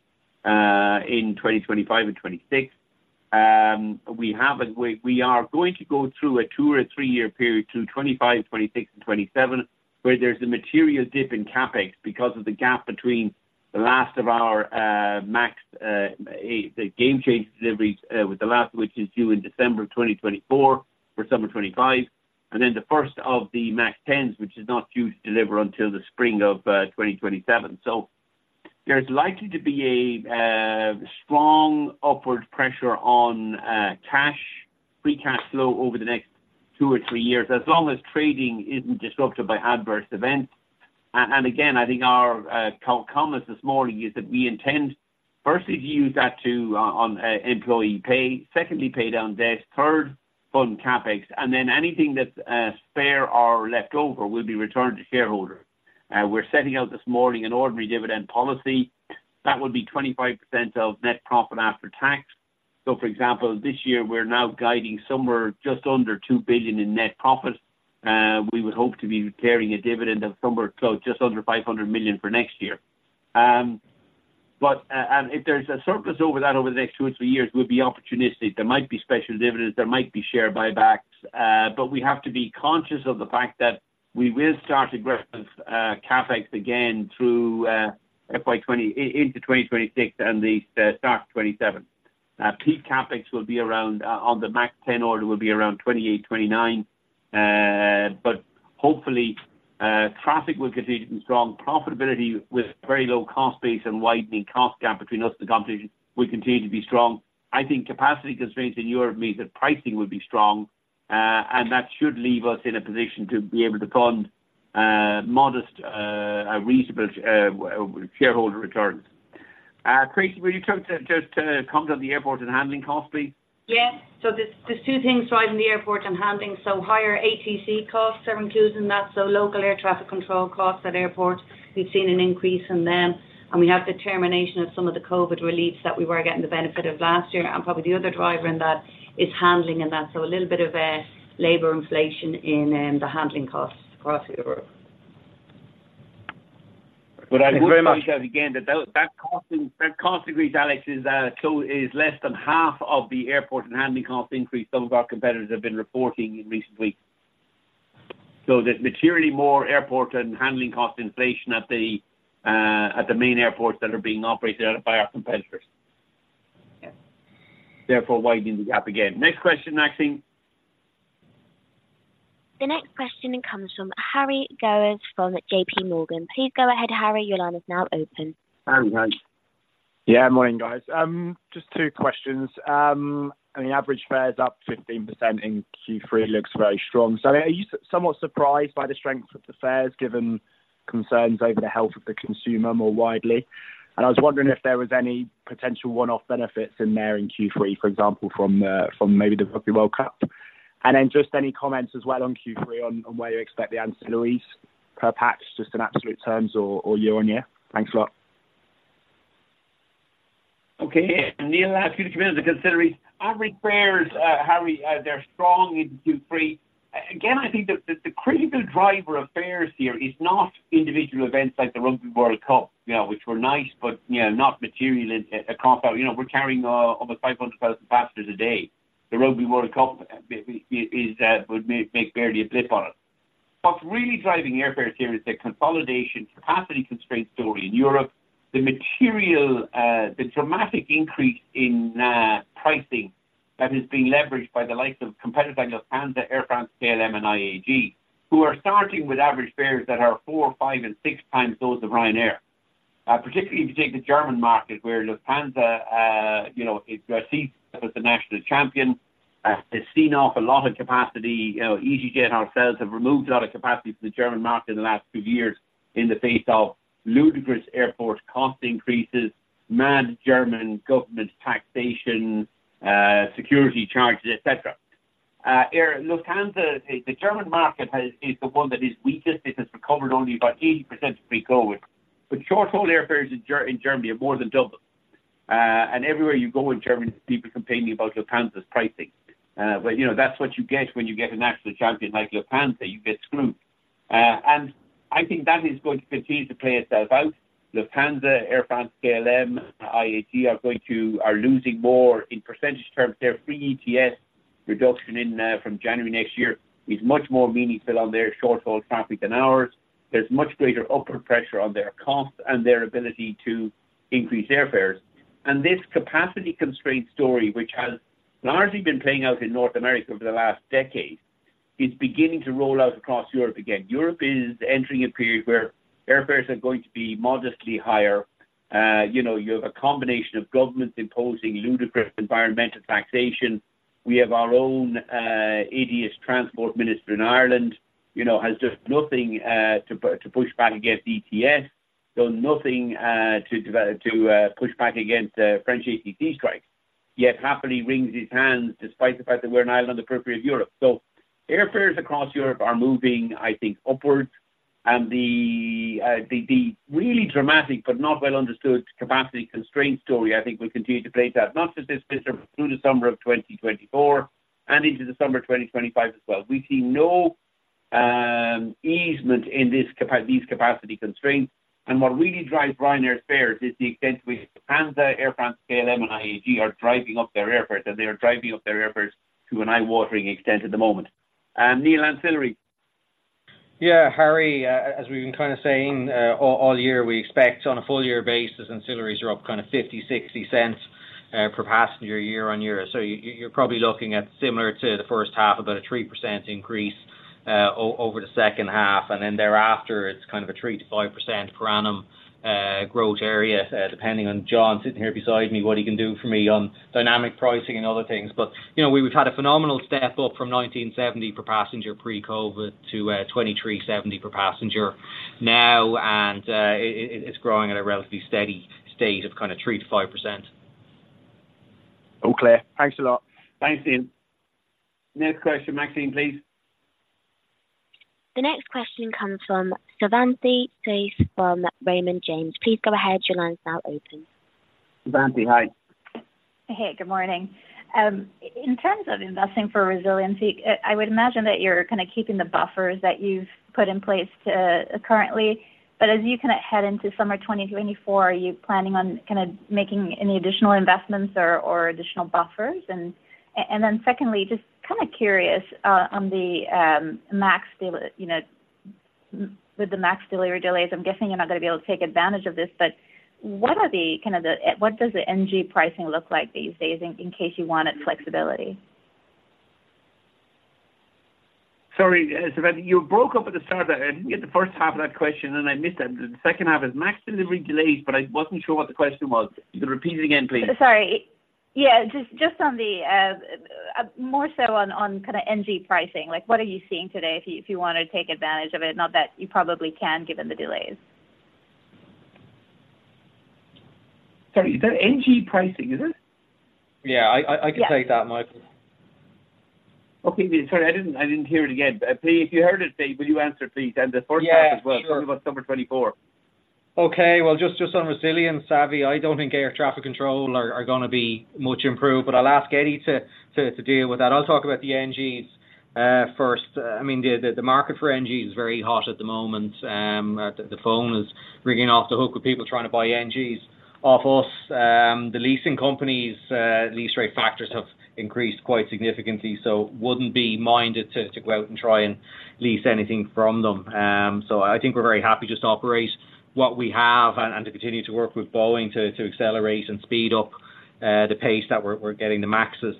in 2025 and 2026. We are going to go through a two- or three-year period through 2025, 2026, and 2027, where there's a material dip in CapEx because of the gap between the last of our MAX, the Gamechanger deliveries, with the last of which is due in December 2024 or summer 2025, and then the first of the MAX-10s, which is not due to deliver until the spring of 2027. So there's likely to be a strong upward pressure on free cash flow over the next two or three years, as long as trading isn't disrupted by adverse events. And again, I think our comments this morning is that we intend, firstly, to use that on employee pay, secondly, pay down debt, third, fund CapEx, and then anything that's spare or left over will be returned to shareholders. We're setting out this morning an ordinary dividend policy. That would be 25% of net profit after tax. So, for example, this year, we're now guiding somewhere just under 2 billion in net profit. We would hope to be carrying a dividend of somewhere close, just under 500 million for next year. But if there's a surplus over that over the next two or three years, we'll be opportunistic. There might be special dividends, there might be share buybacks, but we have to be conscious of the fact that we will start aggressive CapEx again through FY into 2026 and the start of 2027. Peak CapEx will be around on the MAX-10 order, will be around 2028, 2029. But hopefully traffic will continue to be strong. Profitability with very low cost base and widening cost gap between us and the competition will continue to be strong. I think capacity constraints in Europe means that pricing will be strong, and that should leave us in a position to be able to fund modest reasonable shareholder returns. Tracey, will you talk to just comment on the airport and handling costs, please? Yeah. So there's, there's two things driving the airport and handling. So higher ATC costs are included in that, so local air traffic control costs at airports. We've seen an increase in them, and we have the termination of some of the COVID reliefs that we were getting the benefit of last year. And probably the other driver in that is handling, and that's a little bit of, labor inflation in, the handling costs across Europe. But I think again, that cost increase, Alex, is so less than half of the airport and handling cost increase some of our competitors have been reporting in recent weeks. So there's materially more airport and handling cost inflation at the main airports that are being operated at by our competitors. Yeah. Therefore, widening the gap again. Next question, Maxine. The next question comes from Harry Gowers from JPMorgan. Please go ahead, Harry. Your line is now open. Harry Gowers. Yeah, morning, guys. Just two questions. I mean, average fare's up 15% in Q3, looks very strong. So are you somewhat surprised by the strength of the fares, given concerns over the health of the consumer more widely? I was wondering if there was any potential one-off benefits in there in Q3, for example, from the, from maybe the Rugby World Cup? And then just any comments as well on Q3, on, on where you expect the ancillaries per passenger, just in absolute terms or, or year-on-year. Thanks a lot. Okay, Neil, I'll ask you to come in to consider it. Average fares, Harry, they're strong into Q3. Again, I think the critical driver of fares here is not individual events like the Rugby World Cup, you know, which were nice, but, you know, not material in a compound. You know, we're carrying over 500,000 passengers a day. The Rugby World Cup would make barely a blip on it. What's really driving airfares here is the consolidation capacity constraint story in Europe. The material, the dramatic increase in pricing that is being leveraged by the likes of competitors like Lufthansa, Air France-KLM, and IAG, who are starting with average fares that are four, five, and six times those of Ryanair. Particularly if you take the German market, where Lufthansa, you know, is seen as the national champion, has seen off a lot of capacity. You know, easyJet and ourselves have removed a lot of capacity from the German market in the last few years in the face of ludicrous airport cost increases, mad German government taxation, security charges, et cetera. Lufthansa, the German market is the one that is weakest. It has recovered only about 80% pre-COVID. But short-haul airfares in Germany are more than double. And everywhere you go in Germany, people complain about Lufthansa's pricing. But, you know, that's what you get when you get a national champion like Lufthansa, you get screwed. And I think that is going to continue to play itself out. Lufthansa, Air France-KLM, IAG are going to... are losing more in percentage terms. Their free ETS reduction in from January next year is much more meaningful on their short-haul traffic than ours. There's much greater upward pressure on their costs and their ability to increase airfares. And this capacity constraint story, which has largely been playing out in North America for the last decade, is beginning to roll out across Europe again. Europe is entering a period where airfares are going to be modestly higher. You know, you have a combination of governments imposing ludicrous environmental taxation. We have our own ETS transport minister in Ireland, you know, has done nothing to push back against ETS, done nothing to push back against French ATC strikes. Yet happily wrings his hands, despite the fact that we're an island on the periphery of Europe. So airfares across Europe are moving, I think, upwards. And the really dramatic but not well understood capacity constraint story, I think will continue to play it out, not just this summer, but through the summer of 2024 and into the summer of 2025 as well. We see no easement in these capacity constraints. And what really drives Ryanair fares is the extent to which Lufthansa, Air France-KLM and IAG are driving up their airfares, and they are driving up their airfares to an eye-watering extent at the moment. And Neil, ancillaries. Yeah, Harry, as we've been kind of saying all year, we expect on a full year basis, ancillaries are up kind of 0.50-0.60 per passenger year-on-year. So you, you're probably looking at similar to the first half, about a 3% increase over the second half, and then thereafter, it's kind of a 3%-5% per annum growth area, depending on John sitting here beside me, what he can do for me on dynamic pricing and other things. But, you know, we've had a phenomenal step up from 19.70 per passenger pre-COVID to 23.70 per passenger now, and it's growing at a relatively steady state of kind of 3%-5%. All clear. Thanks a lot. Thanks, Neil. Next question, Maxine, please. The next question comes from Savanthi Syth from Raymond James. Please go ahead. Your line is now open. Savanthi, hi. Hey, good morning. In terms of investing for resiliency, I would imagine that you're kind of keeping the buffers that you've put in place currently. But as you kind of head into summer 2024, are you planning on kind of making any additional investments or additional buffers? And then secondly, just kind of curious, on the MAX, you know, with the MAX delivery delays, I'm guessing you're not going to be able to take advantage of this, but what does the NG pricing look like these days in case you wanted flexibility? Sorry, Savanthi, you broke up at the start there. I didn't get the first half of that question, and I missed that. The second half is MAX delivery delays, but I wasn't sure what the question was. You could repeat it again, please. Sorry. Yeah, just, just on the, more so on, on kind of NG pricing. Like, what are you seeing today if you, if you want to take advantage of it? Not that you probably can, given the delays. Sorry, you said NG pricing, is it? Yeah, I, Yeah. I can take that, Michael. Okay, sorry, I didn't hear it again. But please, if you heard it, please, will you answer it, please? And the first half as well- Yeah, sure about summer 2024. Okay, well, just on resilience, Savi, I don't think air traffic control are gonna be much improved, but I'll ask Eddie to deal with that. I'll talk about the NGs first. I mean, the market for NG is very hot at the moment. The phone is ringing off the hook with people trying to buy NGs off us. The leasing companies, lease rate factors have increased quite significantly, so wouldn't be minded to go out and try and lease anything from them. So I think we're very happy just to operate what we have and to continue to work with Boeing to accelerate and speed up the pace that we're getting the MAXs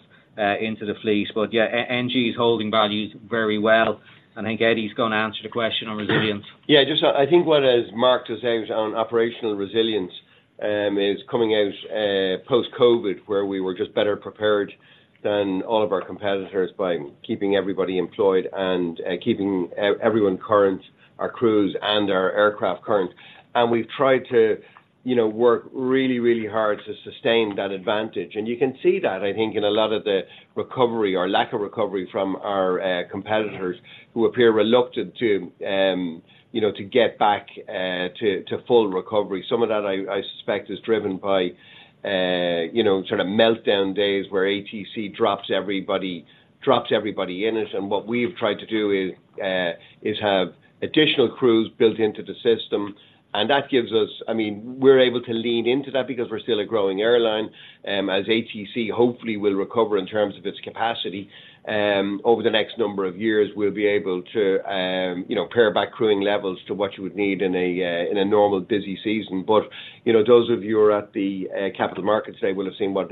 into the fleet. But yeah, NG is holding values very well. I think Eddie's gonna answer the question on resilience. Yeah, just I think what has marked us out on operational resilience is coming out post-COVID, where we were just better prepared than all of our competitors by keeping everybody employed and keeping everyone current. our crews and our aircraft current. We've tried to, you know, work really, really hard to sustain that advantage. You can see that, I think, in a lot of the recovery or lack of recovery from our competitors who appear reluctant to, you know, to get back to full recovery. Some of that, I suspect, is driven by, you know, sort of meltdown days where ATC drops everybody, drops everybody in it. What we've tried to do is have additional crews built into the system, and that gives us, I mean, we're able to lean into that because we're still a growing airline. As ATC hopefully will recover in terms of its capacity, over the next number of years, we'll be able to, you know, pare back crewing levels to what you would need in a normal, busy season. But, you know, those of you who are at the capital markets today will have seen what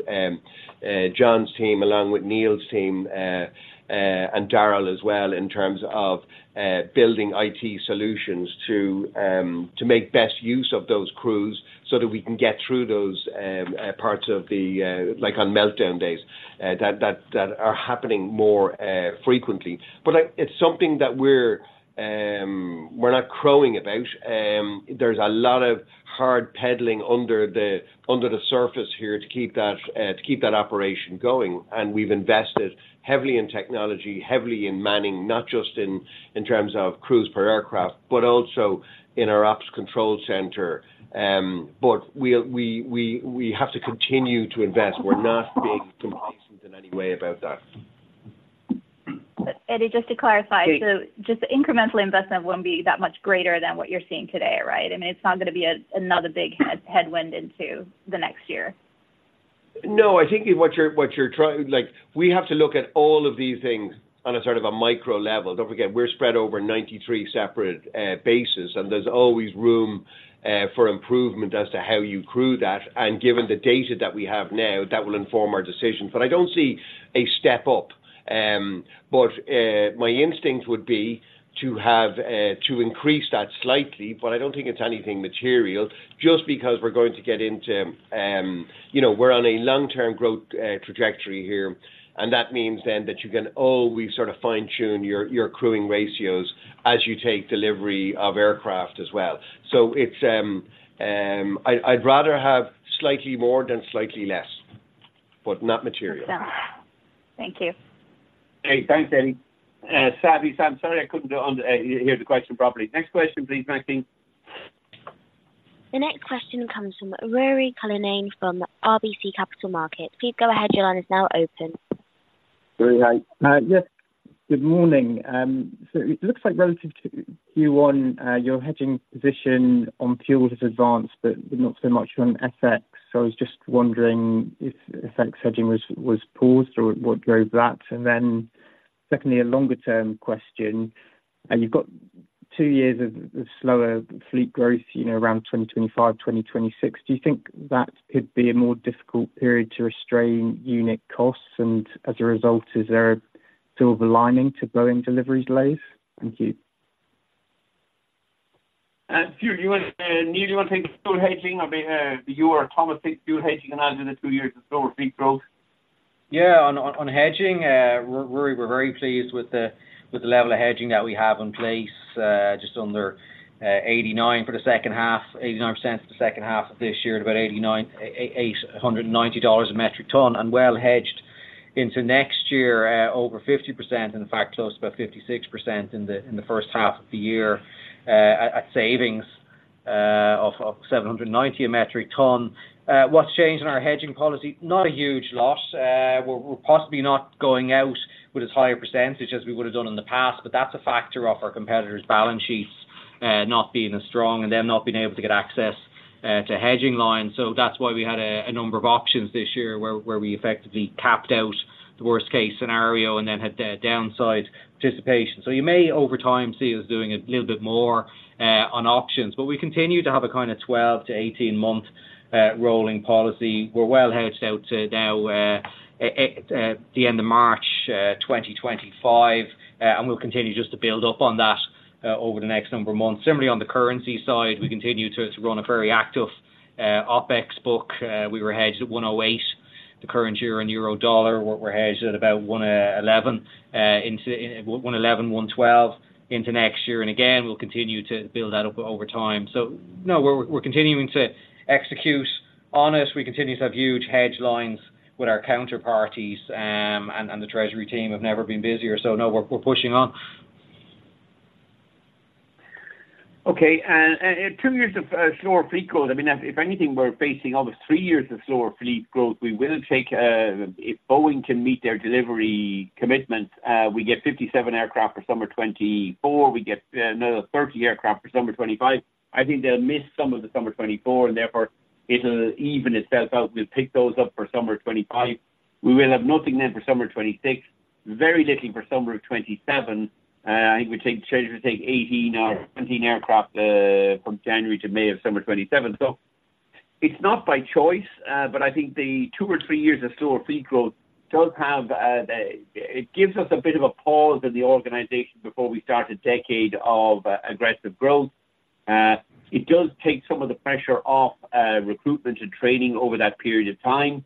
John's team, along with Neil's team, and Darrell as well, in terms of building IT solutions to make best use of those crews so that we can get through those parts of the, like on meltdown days, that are happening more frequently. But, like, it's something that we're not crowing about. There's a lot of hard pedaling under the surface here to keep that operation going, and we've invested heavily in technology, heavily in manning, not just in terms of crews per aircraft, but also in our ops control center. But we'll have to continue to invest. We're not being complacent in any way about that. Eddie, just to clarify. Yeah. So just the incremental investment won't be that much greater than what you're seeing today, right? I mean, it's not gonna be a, another big headwind into the next year. No, I think what you're trying... Like, we have to look at all of these things on a sort of a micro level. Don't forget, we're spread over 93 separate bases, and there's always room for improvement as to how you crew that. And given the data that we have now, that will inform our decisions. But I don't see a step up. But my instinct would be to have to increase that slightly, but I don't think it's anything material, just because we're going to get into, you know, we're on a long-term growth trajectory here, and that means then that you can always sort of fine-tune your, your crewing ratios as you take delivery of aircraft as well. So it's, I'd rather have slightly more than slightly less, but not material. Yeah. Thank you. Okay, thanks, Eddie. Savi, I'm sorry I couldn't hear the question properly. Next question, please, Maxine. The next question comes from Ruairi Cullinane from RBC Capital Markets. Please go ahead. Your line is now open. Ruairi, yes, good morning. So it looks like relative to Q1, your hedging position on fuel has advanced, but not so much on FX. So I was just wondering if the FX hedging was paused or what drove that? And then secondly, a longer-term question, and you've got two years of slower fleet growth, you know, around 2025, 2026. Do you think that could be a more difficult period to restrain unit costs? And as a result, is there a silver lining to Boeing delivery delays? Thank you. Fuel, you wanna, Neil, you wanna take the fuel hedging? I mean, you or Thomas, take fuel hedging, and I'll do the two years of slower fleet growth. Yeah. On hedging, we're very pleased with the level of hedging that we have in place, just under 89% for the second half of this year, at about $89.8, $190 a metric ton, and well hedged into next year, over 50%, in fact, close to about 56% in the first half of the year, at savings of $790 a metric ton. What's changed in our hedging policy? Not a huge lot. We're possibly not going out with as high a percentage as we would have done in the past, but that's a factor of our competitors' balance sheets not being as strong and them not being able to get access to hedging lines. So that's why we had a number of options this year where we effectively capped out the worst-case scenario and then had the downside participation. So you may, over time, see us doing a little bit more on options, but we continue to have a kind of 12- to 18-month rolling policy. We're well hedged out to now the end of March 2025, and we'll continue just to build up on that over the next number of months. Similarly, on the currency side, we continue to run a very active OpEx book. We were hedged at 1.08 the current year, and euro-dollar, we're hedged at about 1.11 into 1.11-1.12 into next year. And again, we'll continue to build that up over time. So no, we're continuing to execute on it. We continue to have huge hedge lines with our counterparties, and the treasury team have never been busier, so no, we're pushing on. Okay, two years of slower fleet growth. I mean, if anything, we're facing almost three years of slower fleet growth. If Boeing can meet their delivery commitments, we get 57 aircraft for summer 2024. We get another 30 aircraft for summer 2025. I think they'll miss some of the summer 2024, and therefore, it'll even itself out. We'll pick those up for summer 2025. We will have nothing then for summer 2026, very little for summer of 2027. I think we'll take 18 or 17 aircraft from January to May of summer 2027. So it's not by choice, but I think the two or three years of slower fleet growth does have, it gives us a bit of a pause in the organization before we start a decade of aggressive growth. It does take some of the pressure off recruitment and training over that period of time.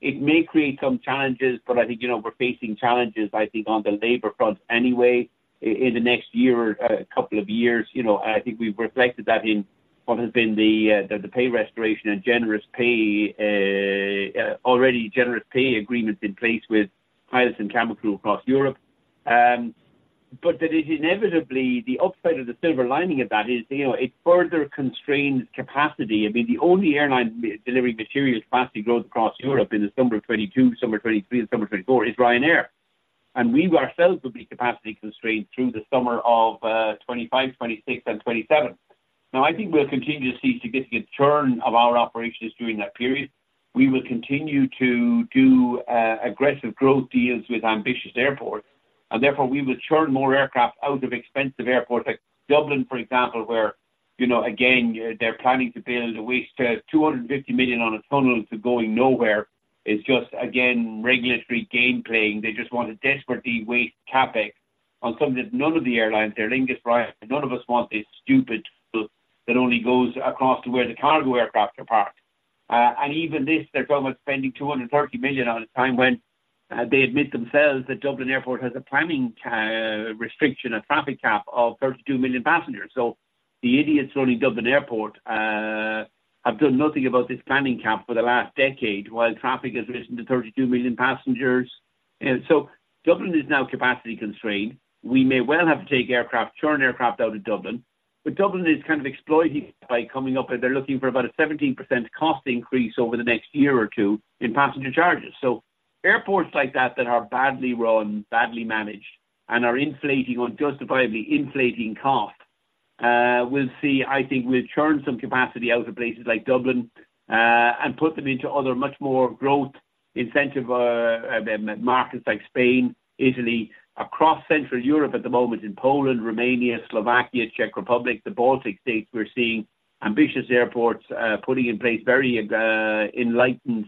It may create some challenges, but I think, you know, we're facing challenges, I think, on the labor front anyway, in the next year or couple of years. You know, I think we've reflected that in what has been the pay restoration and generous pay, already generous pay agreements in place with pilots and cabin crew across Europe. But that is inevitably the upside of the silver lining of that is, you know, it further constrains capacity. I mean, the only airline delivering material capacity growth across Europe in the summer of 2022, summer of 2023, and summer of 2024 is Ryanair. And we ourselves will be capacity constrained through the summer of 2025, 2026, and 2027. Now, I think we'll continue to see significant churn of our operations during that period. We will continue to do aggressive growth deals with ambitious airports, and therefore we will churn more aircraft out of expensive airports like Dublin, for example, where, you know, again, they're planning to build a waste 250 million on a tunnel to going nowhere. It's just, again, regulatory game playing. They just want to desperately waste CapEx on something that none of the airlines there, Aer Lingus, Ryanair, none of us want this stupid tunnel that only goes across to where the cargo aircraft are parked. And even this, they're talking about spending 230 million on it, a time when they admit themselves that Dublin Airport has a planning restriction, a traffic cap of 32 million passengers. So the idiots running Dublin Airport have done nothing about this planning cap for the last decade, while traffic has risen to 32 million passengers. And so Dublin is now capacity constrained. We may well have to take aircraft, churn aircraft out of Dublin, but Dublin is kind of exploiting by coming up, and they're looking for about a 17% cost increase over the next year or two in passenger charges. So airports like that, that are badly run, badly managed, and are unjustifiably inflating costs, we'll see. I think we'll churn some capacity out of places like Dublin, and put them into other, much more growth incentive markets like Spain, Italy, across Central Europe at the moment, in Poland, Romania, Slovakia, Czech Republic, the Baltic States. We're seeing ambitious airports putting in place very enlightened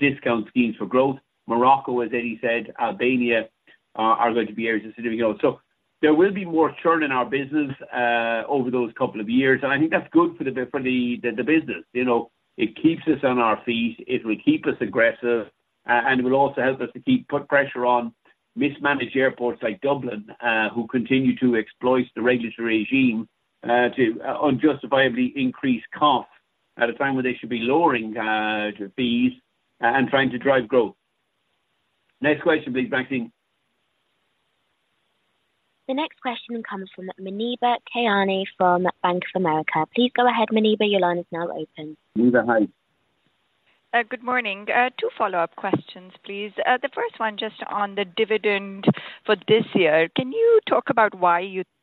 discount schemes for growth. Morocco, as Eddie said, Albania, are going to be areas as you know. So there will be more churn in our business, over those couple of years, and I think that's good for the, for the, the business. You know, it keeps us on our feet, it will keep us aggressive, and it will also help us to keep put pressure on mismanaged airports like Dublin, who continue to exploit the regulatory regime, to unjustifiably increase costs at a time when they should be lowering fees and trying to drive growth. Next question, please, Maxine. The next question comes from Muneeba Kayani from Bank of America. Please go ahead, Muneeba. Your line is now open. Muneeba, hi. Good morning. Two follow-up questions, please. The first one, just on the dividend for this year. Can you talk about why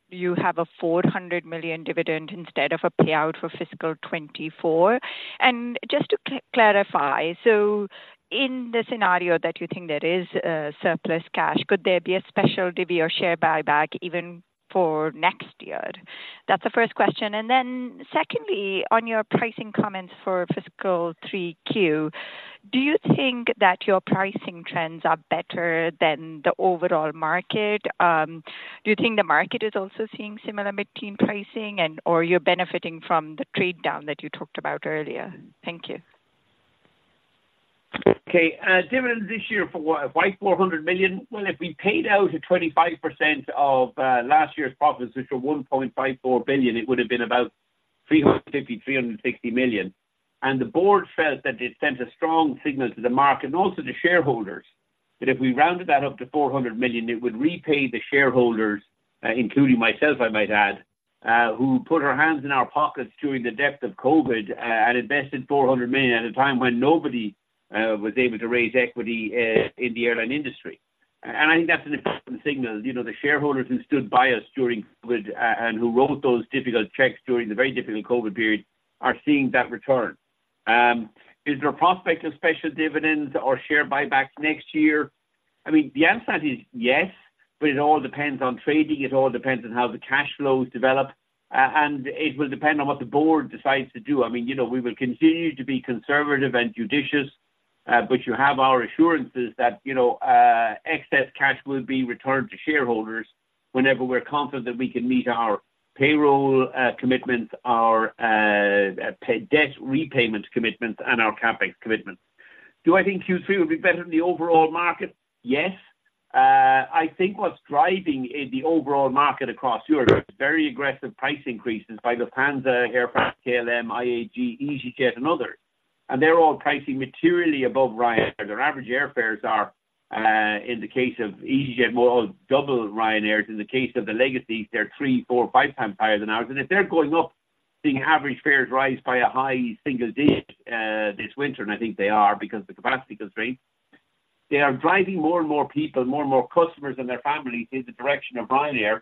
you have a 400 million dividend instead of a payout for fiscal 2024? And just to clarify, so in the scenario that you think there is surplus cash, could there be a special divvy or share buyback even for next year? That's the first question. And then secondly, on your pricing comments for fiscal 3Q, do you think that your pricing trends are better than the overall market? Do you think the market is also seeing similar mid-teen pricing and or you're benefiting from the trade down that you talked about earlier? Thank you. Okay, dividends this year for what? Why 400 million? Well, if we paid out a 25% of last year's profits, which were 1.54 billion, it would have been about 350 million-360 million. And the board felt that it sent a strong signal to the market and also the shareholders, that if we rounded that up to 400 million, it would repay the shareholders, including myself, I might add, who put our hands in our pockets during the depth of COVID, and invested 400 million at a time when nobody was able to raise equity, in the airline industry. And I think that's an important signal. You know, the shareholders who stood by us during COVID, and who wrote those difficult checks during the very difficult COVID period, are seeing that return. Is there a prospect of special dividends or share buybacks next year? I mean, the answer is yes, but it all depends on trading. It all depends on how the cash flows develop, and it will depend on what the board decides to do. I mean, you know, we will continue to be conservative and judicious, but you have our assurances that, you know, excess cash will be returned to shareholders whenever we're confident that we can meet our payroll, commitments, our, debt repayment commitments, and our CapEx commitments. Do I think Q3 will be better than the overall market? Yes. I think what's driving in the overall market across Europe, very aggressive price increases by Lufthansa, Air France-KLM, IAG, easyJet, and others. And they're all pricing materially above Ryanair. Their average airfares are, in the case of easyJet, more than double Ryanair's. In the case of the legacies, they're three, four, five times higher than ours. And if they're going up, seeing average fares rise by a high single digit, this winter, and I think they are, because the capacity constraints. They are driving more and more people, more and more customers and their families in the direction of Ryanair,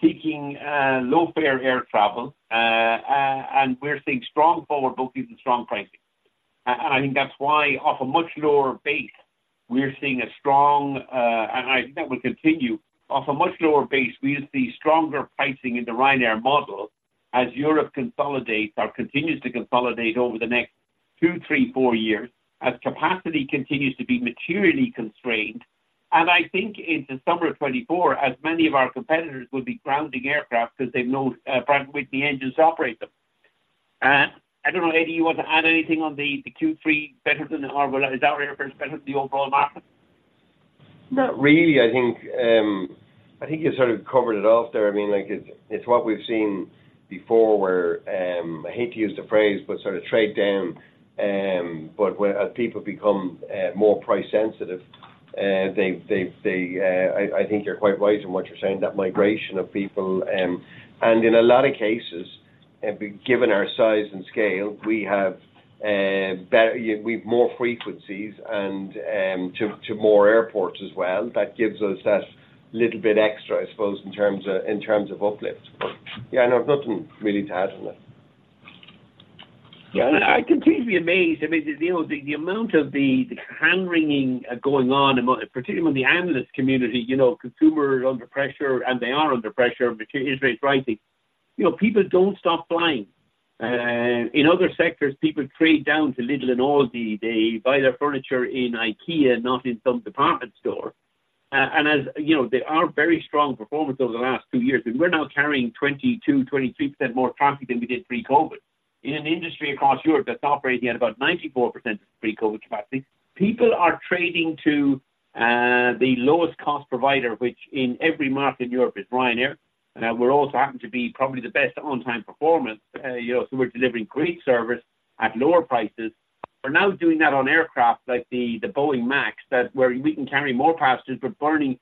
seeking, low-fare air travel. And we're seeing strong forward bookings and strong pricing. And I think that's why, off a much lower base, we're seeing a strong, and I think that will continue. Off a much lower base, we'll see stronger pricing in the Ryanair model as Europe consolidates or continues to consolidate over the next two, thee, four years as capacity continues to be materially constrained. And I think into summer of 2024, as many of our competitors will be grounding aircraft because they've no problem with the engines to operate them. I don't know, Eddie, you want to add anything on the Q3 better than the normal— Is our airfares better than the overall market? Not really. I think you sort of covered it off there. I mean, like, it's what we've seen before where I hate to use the phrase, but sort of trade down, but when... As people become more price sensitive, they I think you're quite right in what you're saying, that migration of people. And in a lot of cases, given our size and scale, we have better, we've more frequencies and to more airports as well. That gives us that little bit extra, I suppose, in terms of uplift. But, yeah, I have nothing really to add on it. Yeah, and I continue to be amazed. I mean, you know, the amount of hand-wringing going on, particularly among the analyst community, you know, consumers under pressure, and they are under pressure, inflation is rising. You know, people don't stop flying. In other sectors, people trade down to Lidl and Aldi. They buy their furniture in IKEA, not in some department store. And as you know, they are very strong performance over the last two years, and we're now carrying 22%-23% more traffic than we did pre-COVID. In an industry across Europe that's operating at about 94% pre-COVID capacity, people are trading to the lowest cost provider, which in every market in Europe is Ryanair. And we're also happen to be probably the best on-time performance, you know, so we're delivering great service at lower prices. We're now doing that on aircraft like the Boeing MAX, where we can carry more passengers, but burning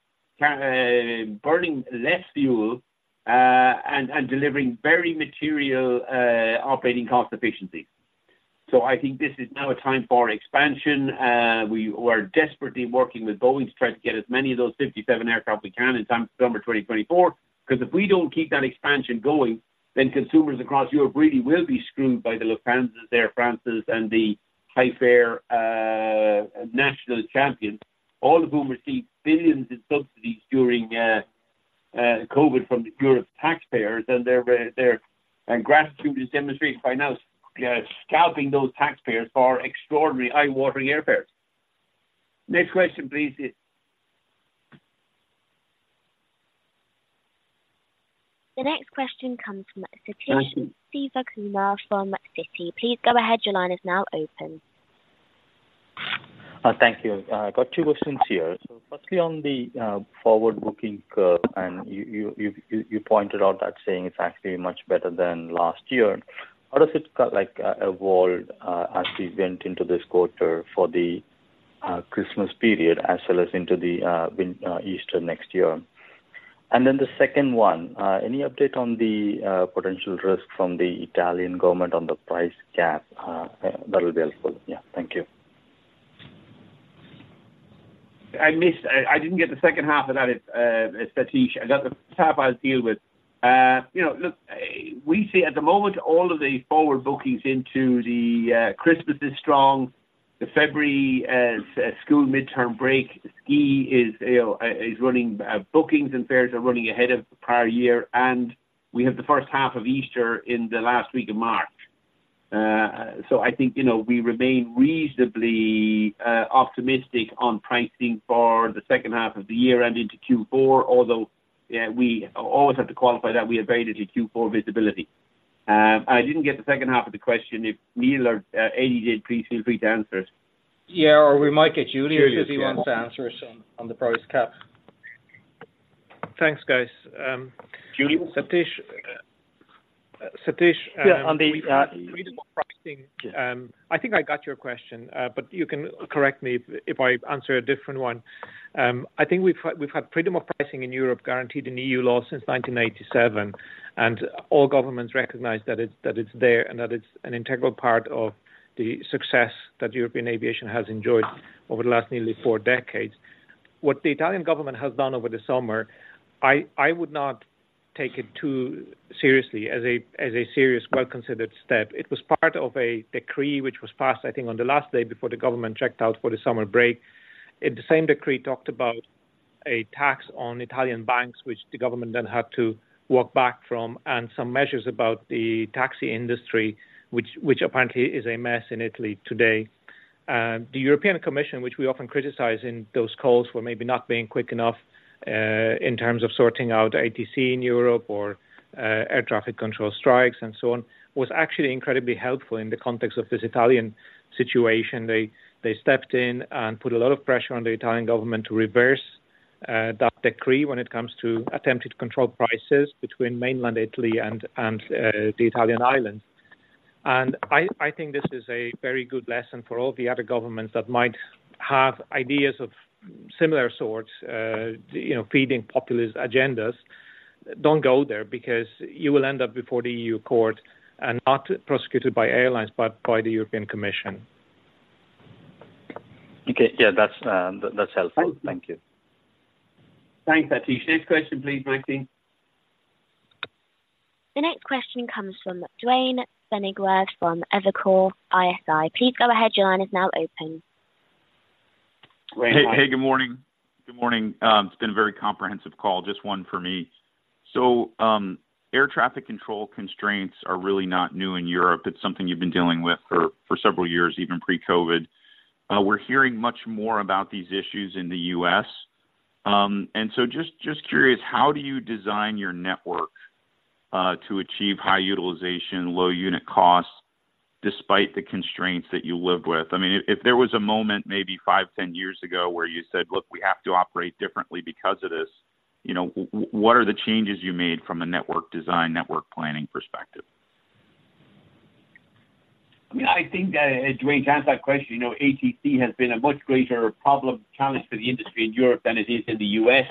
less fuel, and delivering very material operating cost efficiency. So I think this is now a time for expansion. We are desperately working with Boeing to try to get as many of those 57 aircraft we can in time for summer 2024, 'cause if we don't keep that expansion going, then consumers across Europe really will be screwed by the Lufthansa, Air France, and the high-fare national champions, all of whom received billions in subsidies during COVID from the European taxpayers, and their gratitude is demonstrated by now scalping those taxpayers for extraordinary, eye-watering airfares. Next question, please. The next question comes from Sathish Sivakumar from Citi. Please go ahead. Your line is now open. Thank you. I got two questions here. So firstly, on the forward booking curve, and you pointed out that saying it's actually much better than last year. How does it kind of like evolve, as we went into this quarter for the Christmas period as well as into the winter and Easter next year? And then the second one, any update on the potential risk from the Italian government on the price cap? That'll be helpful. Yeah. Thank you. I missed... I didn't get the second half of that, Sathish. I got the first half I'll deal with. You know, look, we see at the moment, all of the forward bookings into the Christmas is strong. The February school midterm break, ski is running bookings and fares are running ahead of the prior year, and we have the first half of Easter in the last week of March. So I think, you know, we remain reasonably optimistic on pricing for the second half of the year and into Q4, although we always have to qualify that we have very little Q4 visibility. And I didn't get the second half of the question. If Neil or Eddie did, please feel free to answer it. Yeah, or we might get Julio, if he wants to answer it on the price cap. Thanks, guys. Julio. Sathish, Sathish- Yeah, on the, Pricing. I think I got your question, but you can correct me if I answer a different one. I think we've had freedom of pricing in Europe, guaranteed in EU law since 1997, and all governments recognize that it's there and that it's an integral part of the success that European aviation has enjoyed over the last nearly four decades. What the Italian government has done over the summer, I would not take it too seriously as a serious, well-considered step. It was part of a decree which was passed, I think, on the last day before the government checked out for the summer break. And the same decree talked about a tax on Italian banks, which the government then had to walk back from, and some measures about the taxi industry, which apparently is a mess in Italy today. The European Commission, which we often criticize in those calls for maybe not being quick enough, in terms of sorting out ATC in Europe or air traffic control strikes and so on, was actually incredibly helpful in the context of this Italian situation. They stepped in and put a lot of pressure on the Italian government to reverse that decree when it comes to attempted price controls between mainland Italy and the Italian islands. And I think this is a very good lesson for all the other governments that might have ideas of similar sorts, you know, feeding populist agendas. Don't go there because you will end up before the EU court and not prosecuted by airlines, but by the European Commission. Okay. Yeah, that's, that's helpful. Thank you. Thank you. Thanks, Sathish. Next question, please, Maxine. The next question comes from Duane Pfennigwerth from Evercore ISI. Please go ahead. Your line is now open. Hey, hey, good morning. Good morning. It's been a very comprehensive call, just one for me. So, air traffic control constraints are really not new in Europe. It's something you've been dealing with for several years, even pre-COVID. We're hearing much more about these issues in the U.S. And so just curious, how do you design your network to achieve high utilization, low unit costs, despite the constraints that you lived with? I mean, if there was a moment, maybe five, 10 years ago, where you said: Look, we have to operate differently because of this. You know, what are the changes you made from a network design, network planning perspective? I mean, I think, Duane, to answer that question, you know, ATC has been a much greater problem, challenge for the industry in Europe than it is in the U.S.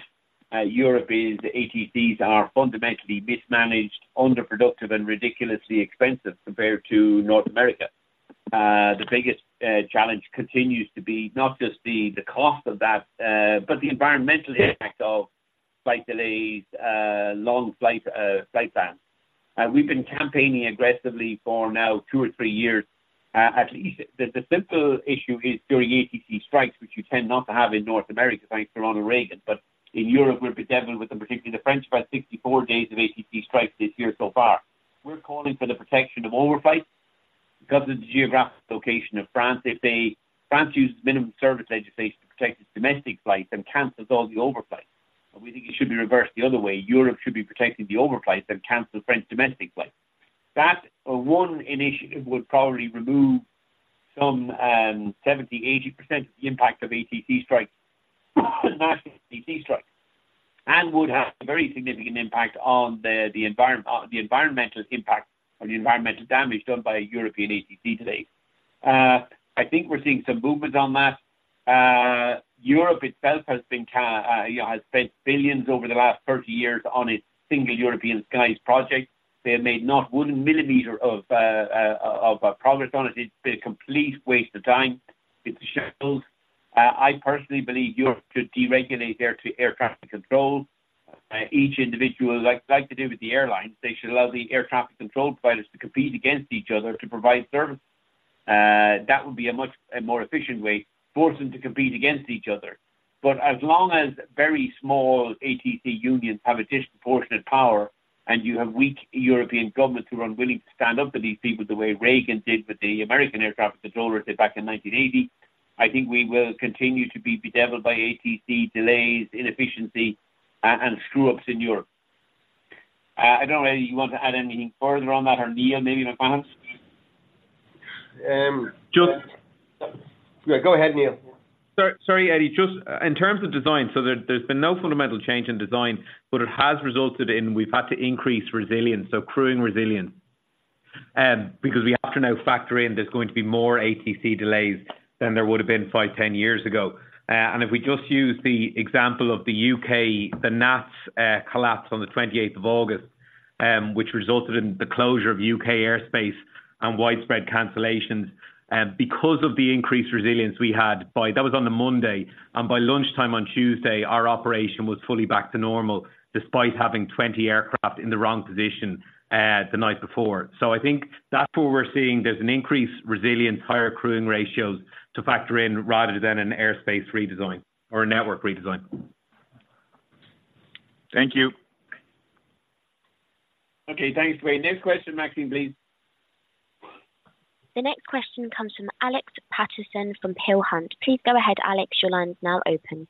Europe's ATCs are fundamentally mismanaged, underproductive, and ridiculously expensive compared to North America. The biggest challenge continues to be not just the cost of that, but the environmental impact of flight delays, long flight paths. We've been campaigning aggressively for now two or three years. At least the simple issue is during ATC strikes, which you tend not to have in North America, thanks to Ronald Reagan, but in Europe, we've been bedeviled with them, particularly the French, about 64 days of ATC strikes this year so far. We're calling for the protection of overflights because of the geographic location of France. If they France uses minimum service legislation to protect its domestic flights and cancels all the overflights, and we think it should be reversed the other way. Europe should be protecting the overflights and cancel French domestic flights. That one initiative would probably remove some 70%-80% of the impact of ATC strikes, and would have a very significant impact on the environment, on the environmental impact or the environmental damage done by European ATC today. I think we're seeing some movements on that. Europe itself has been kind of, you know, has spent billions over the last 30 years on a Single European Sky project. They have made not one millimeter of progress on it. It's been a complete waste of time. It's shambles. I personally believe Europe should deregulate their air traffic control. Each individual, like, like they do with the airlines, they should allow the air traffic control providers to compete against each other to provide services. That would be a much more efficient way, force them to compete against each other. But as long as very small ATC unions have a disproportionate power, and you have weak European governments who are unwilling to stand up to these people, the way Reagan did with the American Air Traffic Controllers back in 1980, I think we will continue to be bedeviled by ATC delays, inefficiency, and screw-ups in Europe. I don't know, Eddie, you want to add anything further on that or Neil, maybe in advance? Um, just- Yeah, go ahead, Neil. Sorry, Eddie. Just in terms of design, there's been no fundamental change in design, but it has resulted in we've had to increase resilience, so crewing resilience. Because we have to now factor in there's going to be more ATC delays than there would have been five, 10 years ago. And if we just use the example of the U.K., the NATS collapse on the 28th of August, which resulted in the closure of U.K. airspace and widespread cancellations. Because of the increased resilience we had. That was on the Monday, and by lunchtime on Tuesday, our operation was fully back to normal, despite having 20 aircraft in the wrong position the night before. So I think that's where we're seeing there's an increased resilience, higher crewing ratios to factor in, rather than an airspace redesign or a network redesign. Thank you. Okay, thanks, Duane. Next question, Maxine, please. The next question comes from Alex Paterson from Peel Hunt. Please go ahead, Alex. Your line is now open.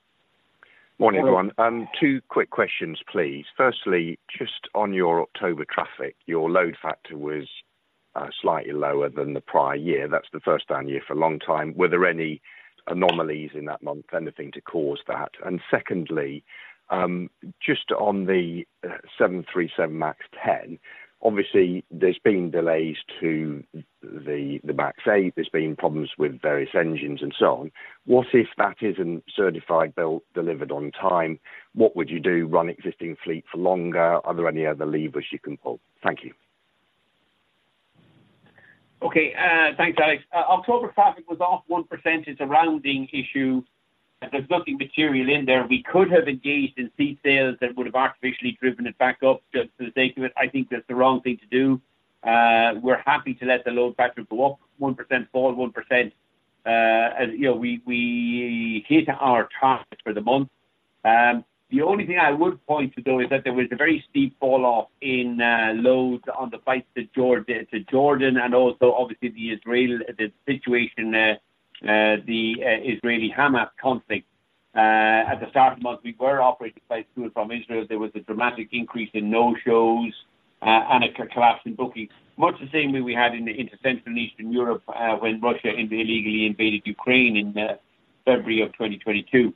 Morning, everyone. Two quick questions, please. Firstly, just on your October traffic, your load factor was slightly lower than the prior year. That's the first time year for a long time. Were there any anomalies in that month, anything to cause that? And secondly, just on the 737 MAX-10, obviously there's been delays to the MAX-8. There's been problems with various engines and so on. What if that isn't certified, built, delivered on time? What would you do, run existing fleet for longer? Are there any other levers you can pull? Thank you. Okay, thanks, Alex. October traffic was off 1%, a rounding issue, and there's nothing material in there. We could have engaged in seat sales that would have artificially driven it back up. Just for the sake of it, I think that's the wrong thing to do. We're happy to let the load factor go up 1%, fall 1%. As you know, we hit our target for the month. The only thing I would point to, though, is that there was a very steep fall off in loads on the flights to Jordan, and also obviously the Israel situation, the Israeli-Hamas conflict. At the start of the month, we were operating flights to and from Israel. There was a dramatic increase in no-shows, and a collapse in bookings. Much the same way we had in the Eastern, Central, and Eastern Europe, when Russia illegally invaded Ukraine in February of 2022.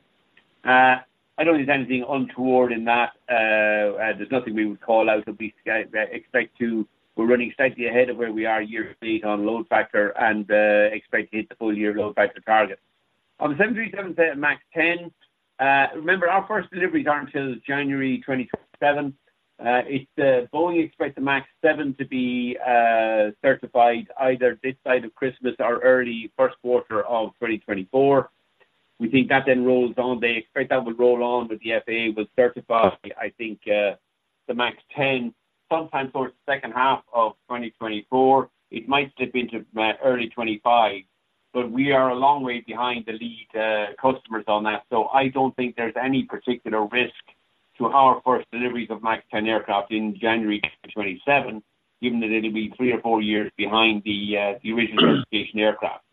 I don't think there's anything untoward in that. There's nothing we would call out, but we expect to... We're running slightly ahead of where we are year to date on load factor and expect to hit the full-year load factor target. On the 737 MAX-10, remember, our first deliveries aren't until January 2027. It's Boeing expects the MAX-7 to be certified either this side of Christmas or early first quarter of 2024. We think that then rolls on. They expect that will roll on, with the FAA will certify, I think. The MAX-10, sometimes towards the second half of 2024, it might slip into early 2025, but we are a long way behind the lead customers on that. So I don't think there's any particular risk to our first deliveries of MAX-10 aircraft in January 2027, given that it'll be three or four years behind the original aircraft.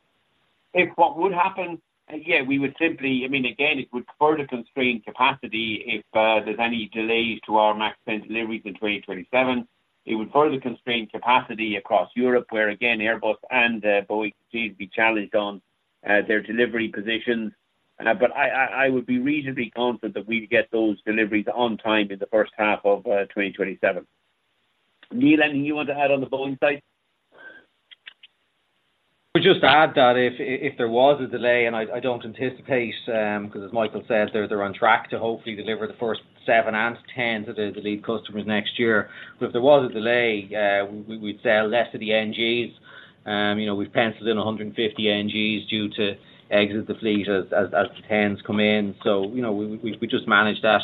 If what would happen? Yeah, we would simply... I mean, again, it would further constrain capacity if there's any delays to our MAX-10 deliveries in 2027. It would further constrain capacity across Europe, where, again, Airbus and Boeing seem to be challenged on their delivery positions. But I would be reasonably confident that we'd get those deliveries on time in the first half of 2027. Neil, anything you want to add on the Boeing side? I would just add that if there was a delay, and I don't anticipate, because as Michael said, they're on track to hopefully deliver the first seven and 10 to the lead customers next year. But if there was a delay, we'd sell less of the NGs. You know, we've penciled in 150 NGs due to exit the fleet as the tens come in. So, you know, we just manage that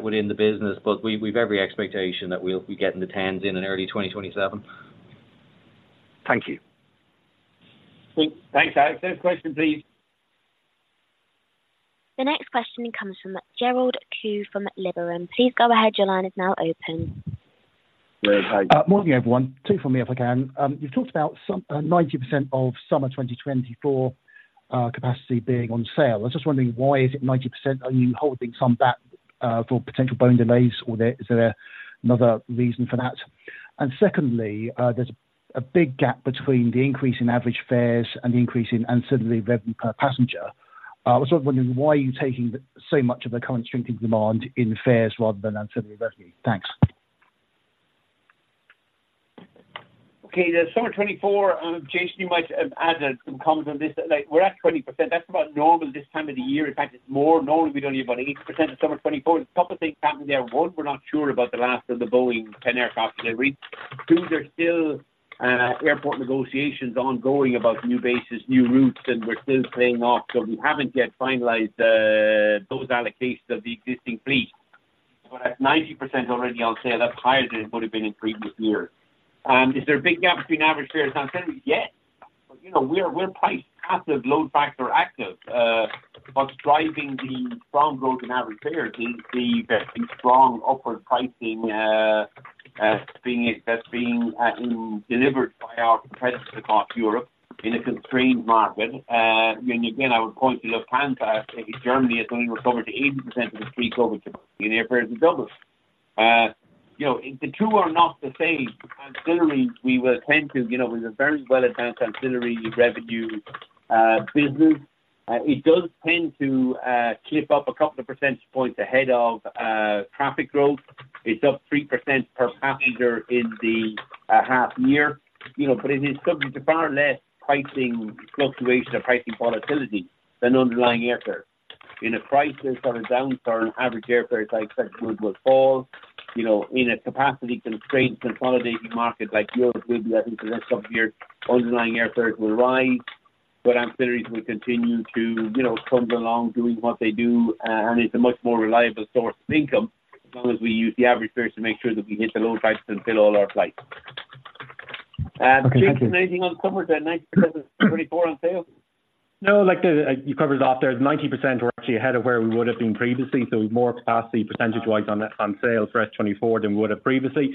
within the business, but we've every expectation that we'll be getting the tens in in early 2027. Thank you. Thanks, Alex. Next question, please. The next question comes from Gerald Khoo from Liberum. Please go ahead. Your line is now open. Morning, everyone. Two for me, if I can. You've talked about some, 90% of summer 2024, capacity being on sale. I'm just wondering, why is it 90%? Are you holding some back, for potential Boeing delays, or there, is there another reason for that? And secondly, there's a big gap between the increase in average fares and the increase in Ancillary rev, passenger. I was sort of wondering why you're taking so much of the current shrinking demand in fares rather than Ancillary revenue. Thanks. Okay. The summer 2024, Jason, you might add some comments on this. Like, we're at 20%. That's about normal this time of the year. In fact, it's more. Normally, we do only about 18% of summer 2024. A couple things happened there. One, we're not sure about the last of the Boeing 10 aircraft delivery. Two, there's still airport negotiations ongoing about new bases, new routes, and we're still playing off, so we haven't yet finalized those allocations of the existing fleet. But at 90% already on sale, that's higher than it would have been in previous years. Is there a big gap between average fares and Ancillary? Yes. But you know, we are, we're price passive load factor active. What's driving the strong growth in average fares is the strong upward pricing being delivered by our competitors across Europe in a constrained market. And again, I would point to, look, France and Germany has only recovered to 80% of the pre-COVID capacity, and airfare is double. You know, the two are not the same. Ancillary, we will tend to, you know, with a very well-advanced Ancillary revenue business, it does tend to clip up a couple of percentage points ahead of traffic growth. It's up 3% per passenger in the half year, you know, but it is subject to far less pricing fluctuation or pricing volatility than underlying airfare. In a crisis or a downturn, average airfare, like I said, will fall. You know, in a capacity-constrained, consolidating market like Europe, we believe that in the next couple of years, underlying airfare will rise, but ancillaries will continue to, you know, trundle along, doing what they do. And it's a much more reliable source of income, as long as we use the average fares to make sure that we hit the load factors and fill all our flights. Okay, thank you. Jason, anything on summer than 90% S24 on sale? No, like, you covered it off there. 90%, we're actually ahead of where we would have been previously, so more capacity percentage-wise on sale for S24 than we would have previously.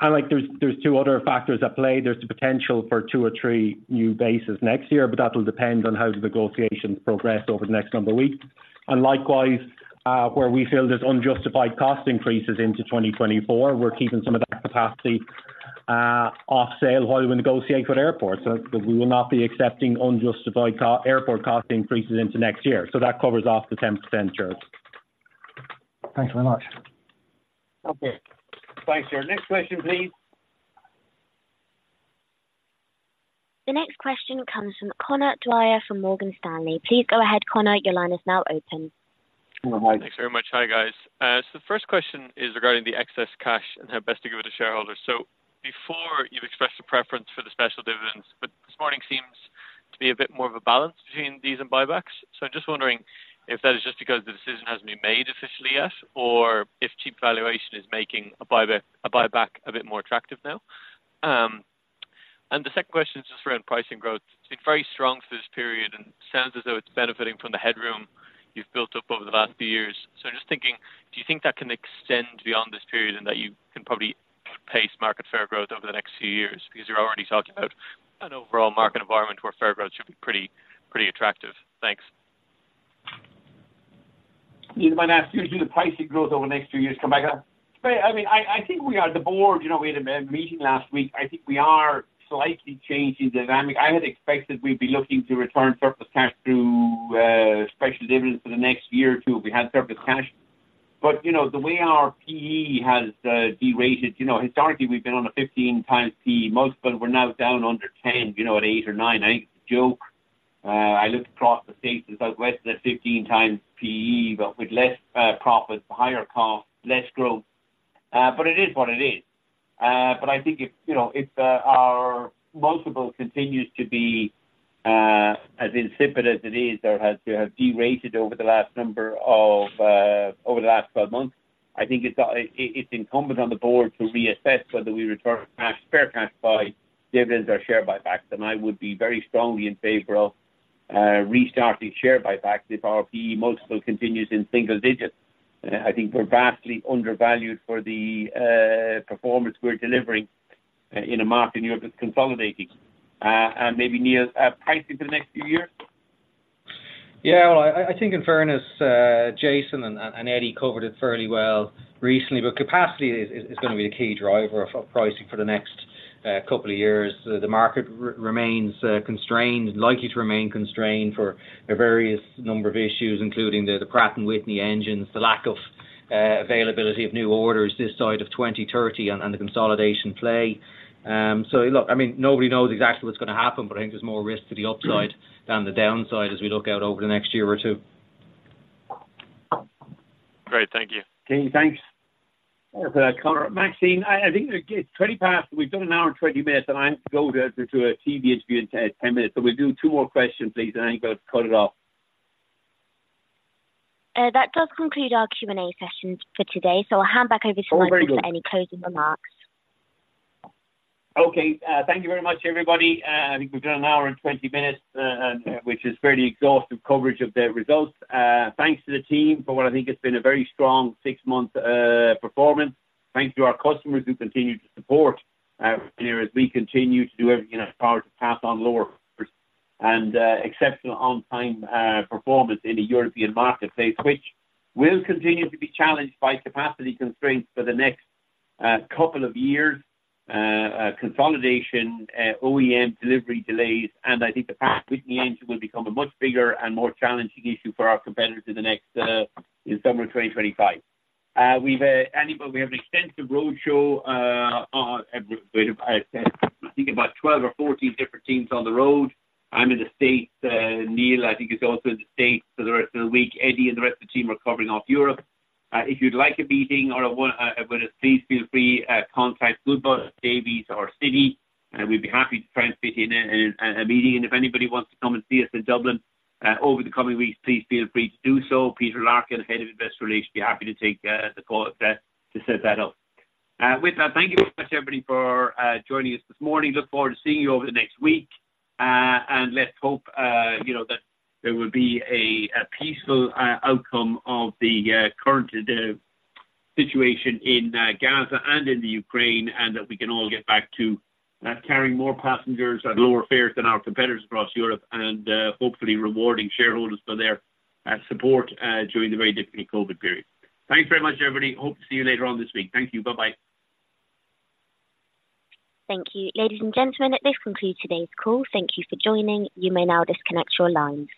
And like, there's two other factors at play. There's the potential for two or three new bases next year, but that will depend on how the negotiations progress over the next couple of weeks. And likewise, where we feel there's unjustified cost increases into 2024, we're keeping some of that capacity off sale while we negotiate with airports. So we will not be accepting unjustified airport cost increases into next year. So that covers off the 10%, sure. Thanks very much. Okay, thanks. Sir. Next question, please. The next question comes from Conor Dwyer, from Morgan Stanley. Please go ahead, Conor. Your line is now open. Hello, Mike. Thanks very much. Hi, guys. So the first question is regarding the excess cash and how best to give it to shareholders. So before you've expressed a preference for the special dividends, but this morning seems to be a bit more of a balance between these and buybacks. So I'm just wondering if that is just because the decision hasn't been made officially yet, or if cheap valuation is making a buyback a bit more attractive now? And the second question is just around pricing growth. It's been very strong for this period and sounds as though it's benefiting from the headroom you've built up over the last few years. So just thinking, do you think that can extend beyond this period and that you can probably pace market fare growth over the next few years? Because you're already talking about an overall market environment where fare growth should be pretty, pretty attractive. Thanks. You might ask usually the pricing growth over the next two years come back up. But I mean, I think we are the board, you know, we had a meeting last week. I think we are slightly changing dynamic. I had expected we'd be looking to return surplus cash through special dividends for the next year or two if we had surplus cash. But, you know, the way our PE has derated, you know, historically, we've been on a 15 times PE multiple. We're now down under 10, you know, at eight or nine. I joke. I looked across the states and Southwest at 15 times PE, but with less profit, higher cost, less growth. But it is what it is. But I think if, you know, if, our multiple continues to be, as insipid as it is, or has, to have derated over the last number of, over the last 12 months, I think it's, it, it's incumbent on the board to reassess whether we return cash, fair cash by dividends or share buybacks. And I would be very strongly in favor of, restarting share buybacks if our PE multiple continues in single digits. I think we're vastly undervalued for the, performance we're delivering, in a market in Europe that's consolidating. And maybe Neil, pricing for the next few years? Yeah, well, I think in fairness, Jason and Eddie covered it fairly well recently. But capacity is gonna be a key driver of pricing for the next couple of years. The market remains constrained, likely to remain constrained for a various number of issues, including the Pratt & Whitney engines, the lack of availability of new orders this side of 2030 and the consolidation play. So look, I mean, nobody knows exactly what's gonna happen, but I think there's more risk to the upside than the downside as we look out over the next year or two. Great. Thank you. Okay, thanks. Maxine, I think it's 20 past. We've done an hour and 20 minutes, and I have to go to a TV interview in 10 minutes. So we'll do two more questions, please, and then I'm gonna cut it off. That does conclude our Q&A session for today. So I'll hand back over to Michael- Oh, very good. For any closing remarks. Okay, thank you very much, everybody. I think we've done an hour and 20 minutes, and which is fairly exhaustive coverage of the results. Thanks to the team for what I think has been a very strong six-month performance. Thanks to our customers who continue to support, as we continue to do everything in our power to pass on lower fares. Exceptional on-time performance in a European marketplace, which will continue to be challenged by capacity constraints for the next couple of years. Consolidation, OEM delivery delays, and I think the Pratt & Whitney engine will become a much bigger and more challenging issue for our competitors in the next, in summer of 2025. We have an extensive roadshow, I think about 12 or 14 different teams on the road. I'm in the States, Neil, I think, is also in the States for the rest of the week. Eddie and the rest of the team are covering off Europe. If you'd like a meeting or a one-on-one with us, please feel free, contact Goodbody, Davy, or Citi, and we'd be happy to try and fit in a meeting. If anybody wants to come and see us in Dublin over the coming weeks, please feel free to do so. Peter Larkin, Head of Investor Relations, be happy to take the call to set that up. With that, thank you very much, everybody, for joining us this morning. Look forward to seeing you over the next week. Let's hope, you know, that there will be a peaceful outcome of the current situation in Gaza and in the Ukraine, and that we can all get back to carrying more passengers at lower fares than our competitors across Europe, and hopefully rewarding shareholders for their support during the very difficult COVID period. Thanks very much, everybody. Hope to see you later on this week. Thank you. Bye-bye. Thank you. Ladies and gentlemen, this concludes today's call. Thank you for joining. You may now disconnect your lines.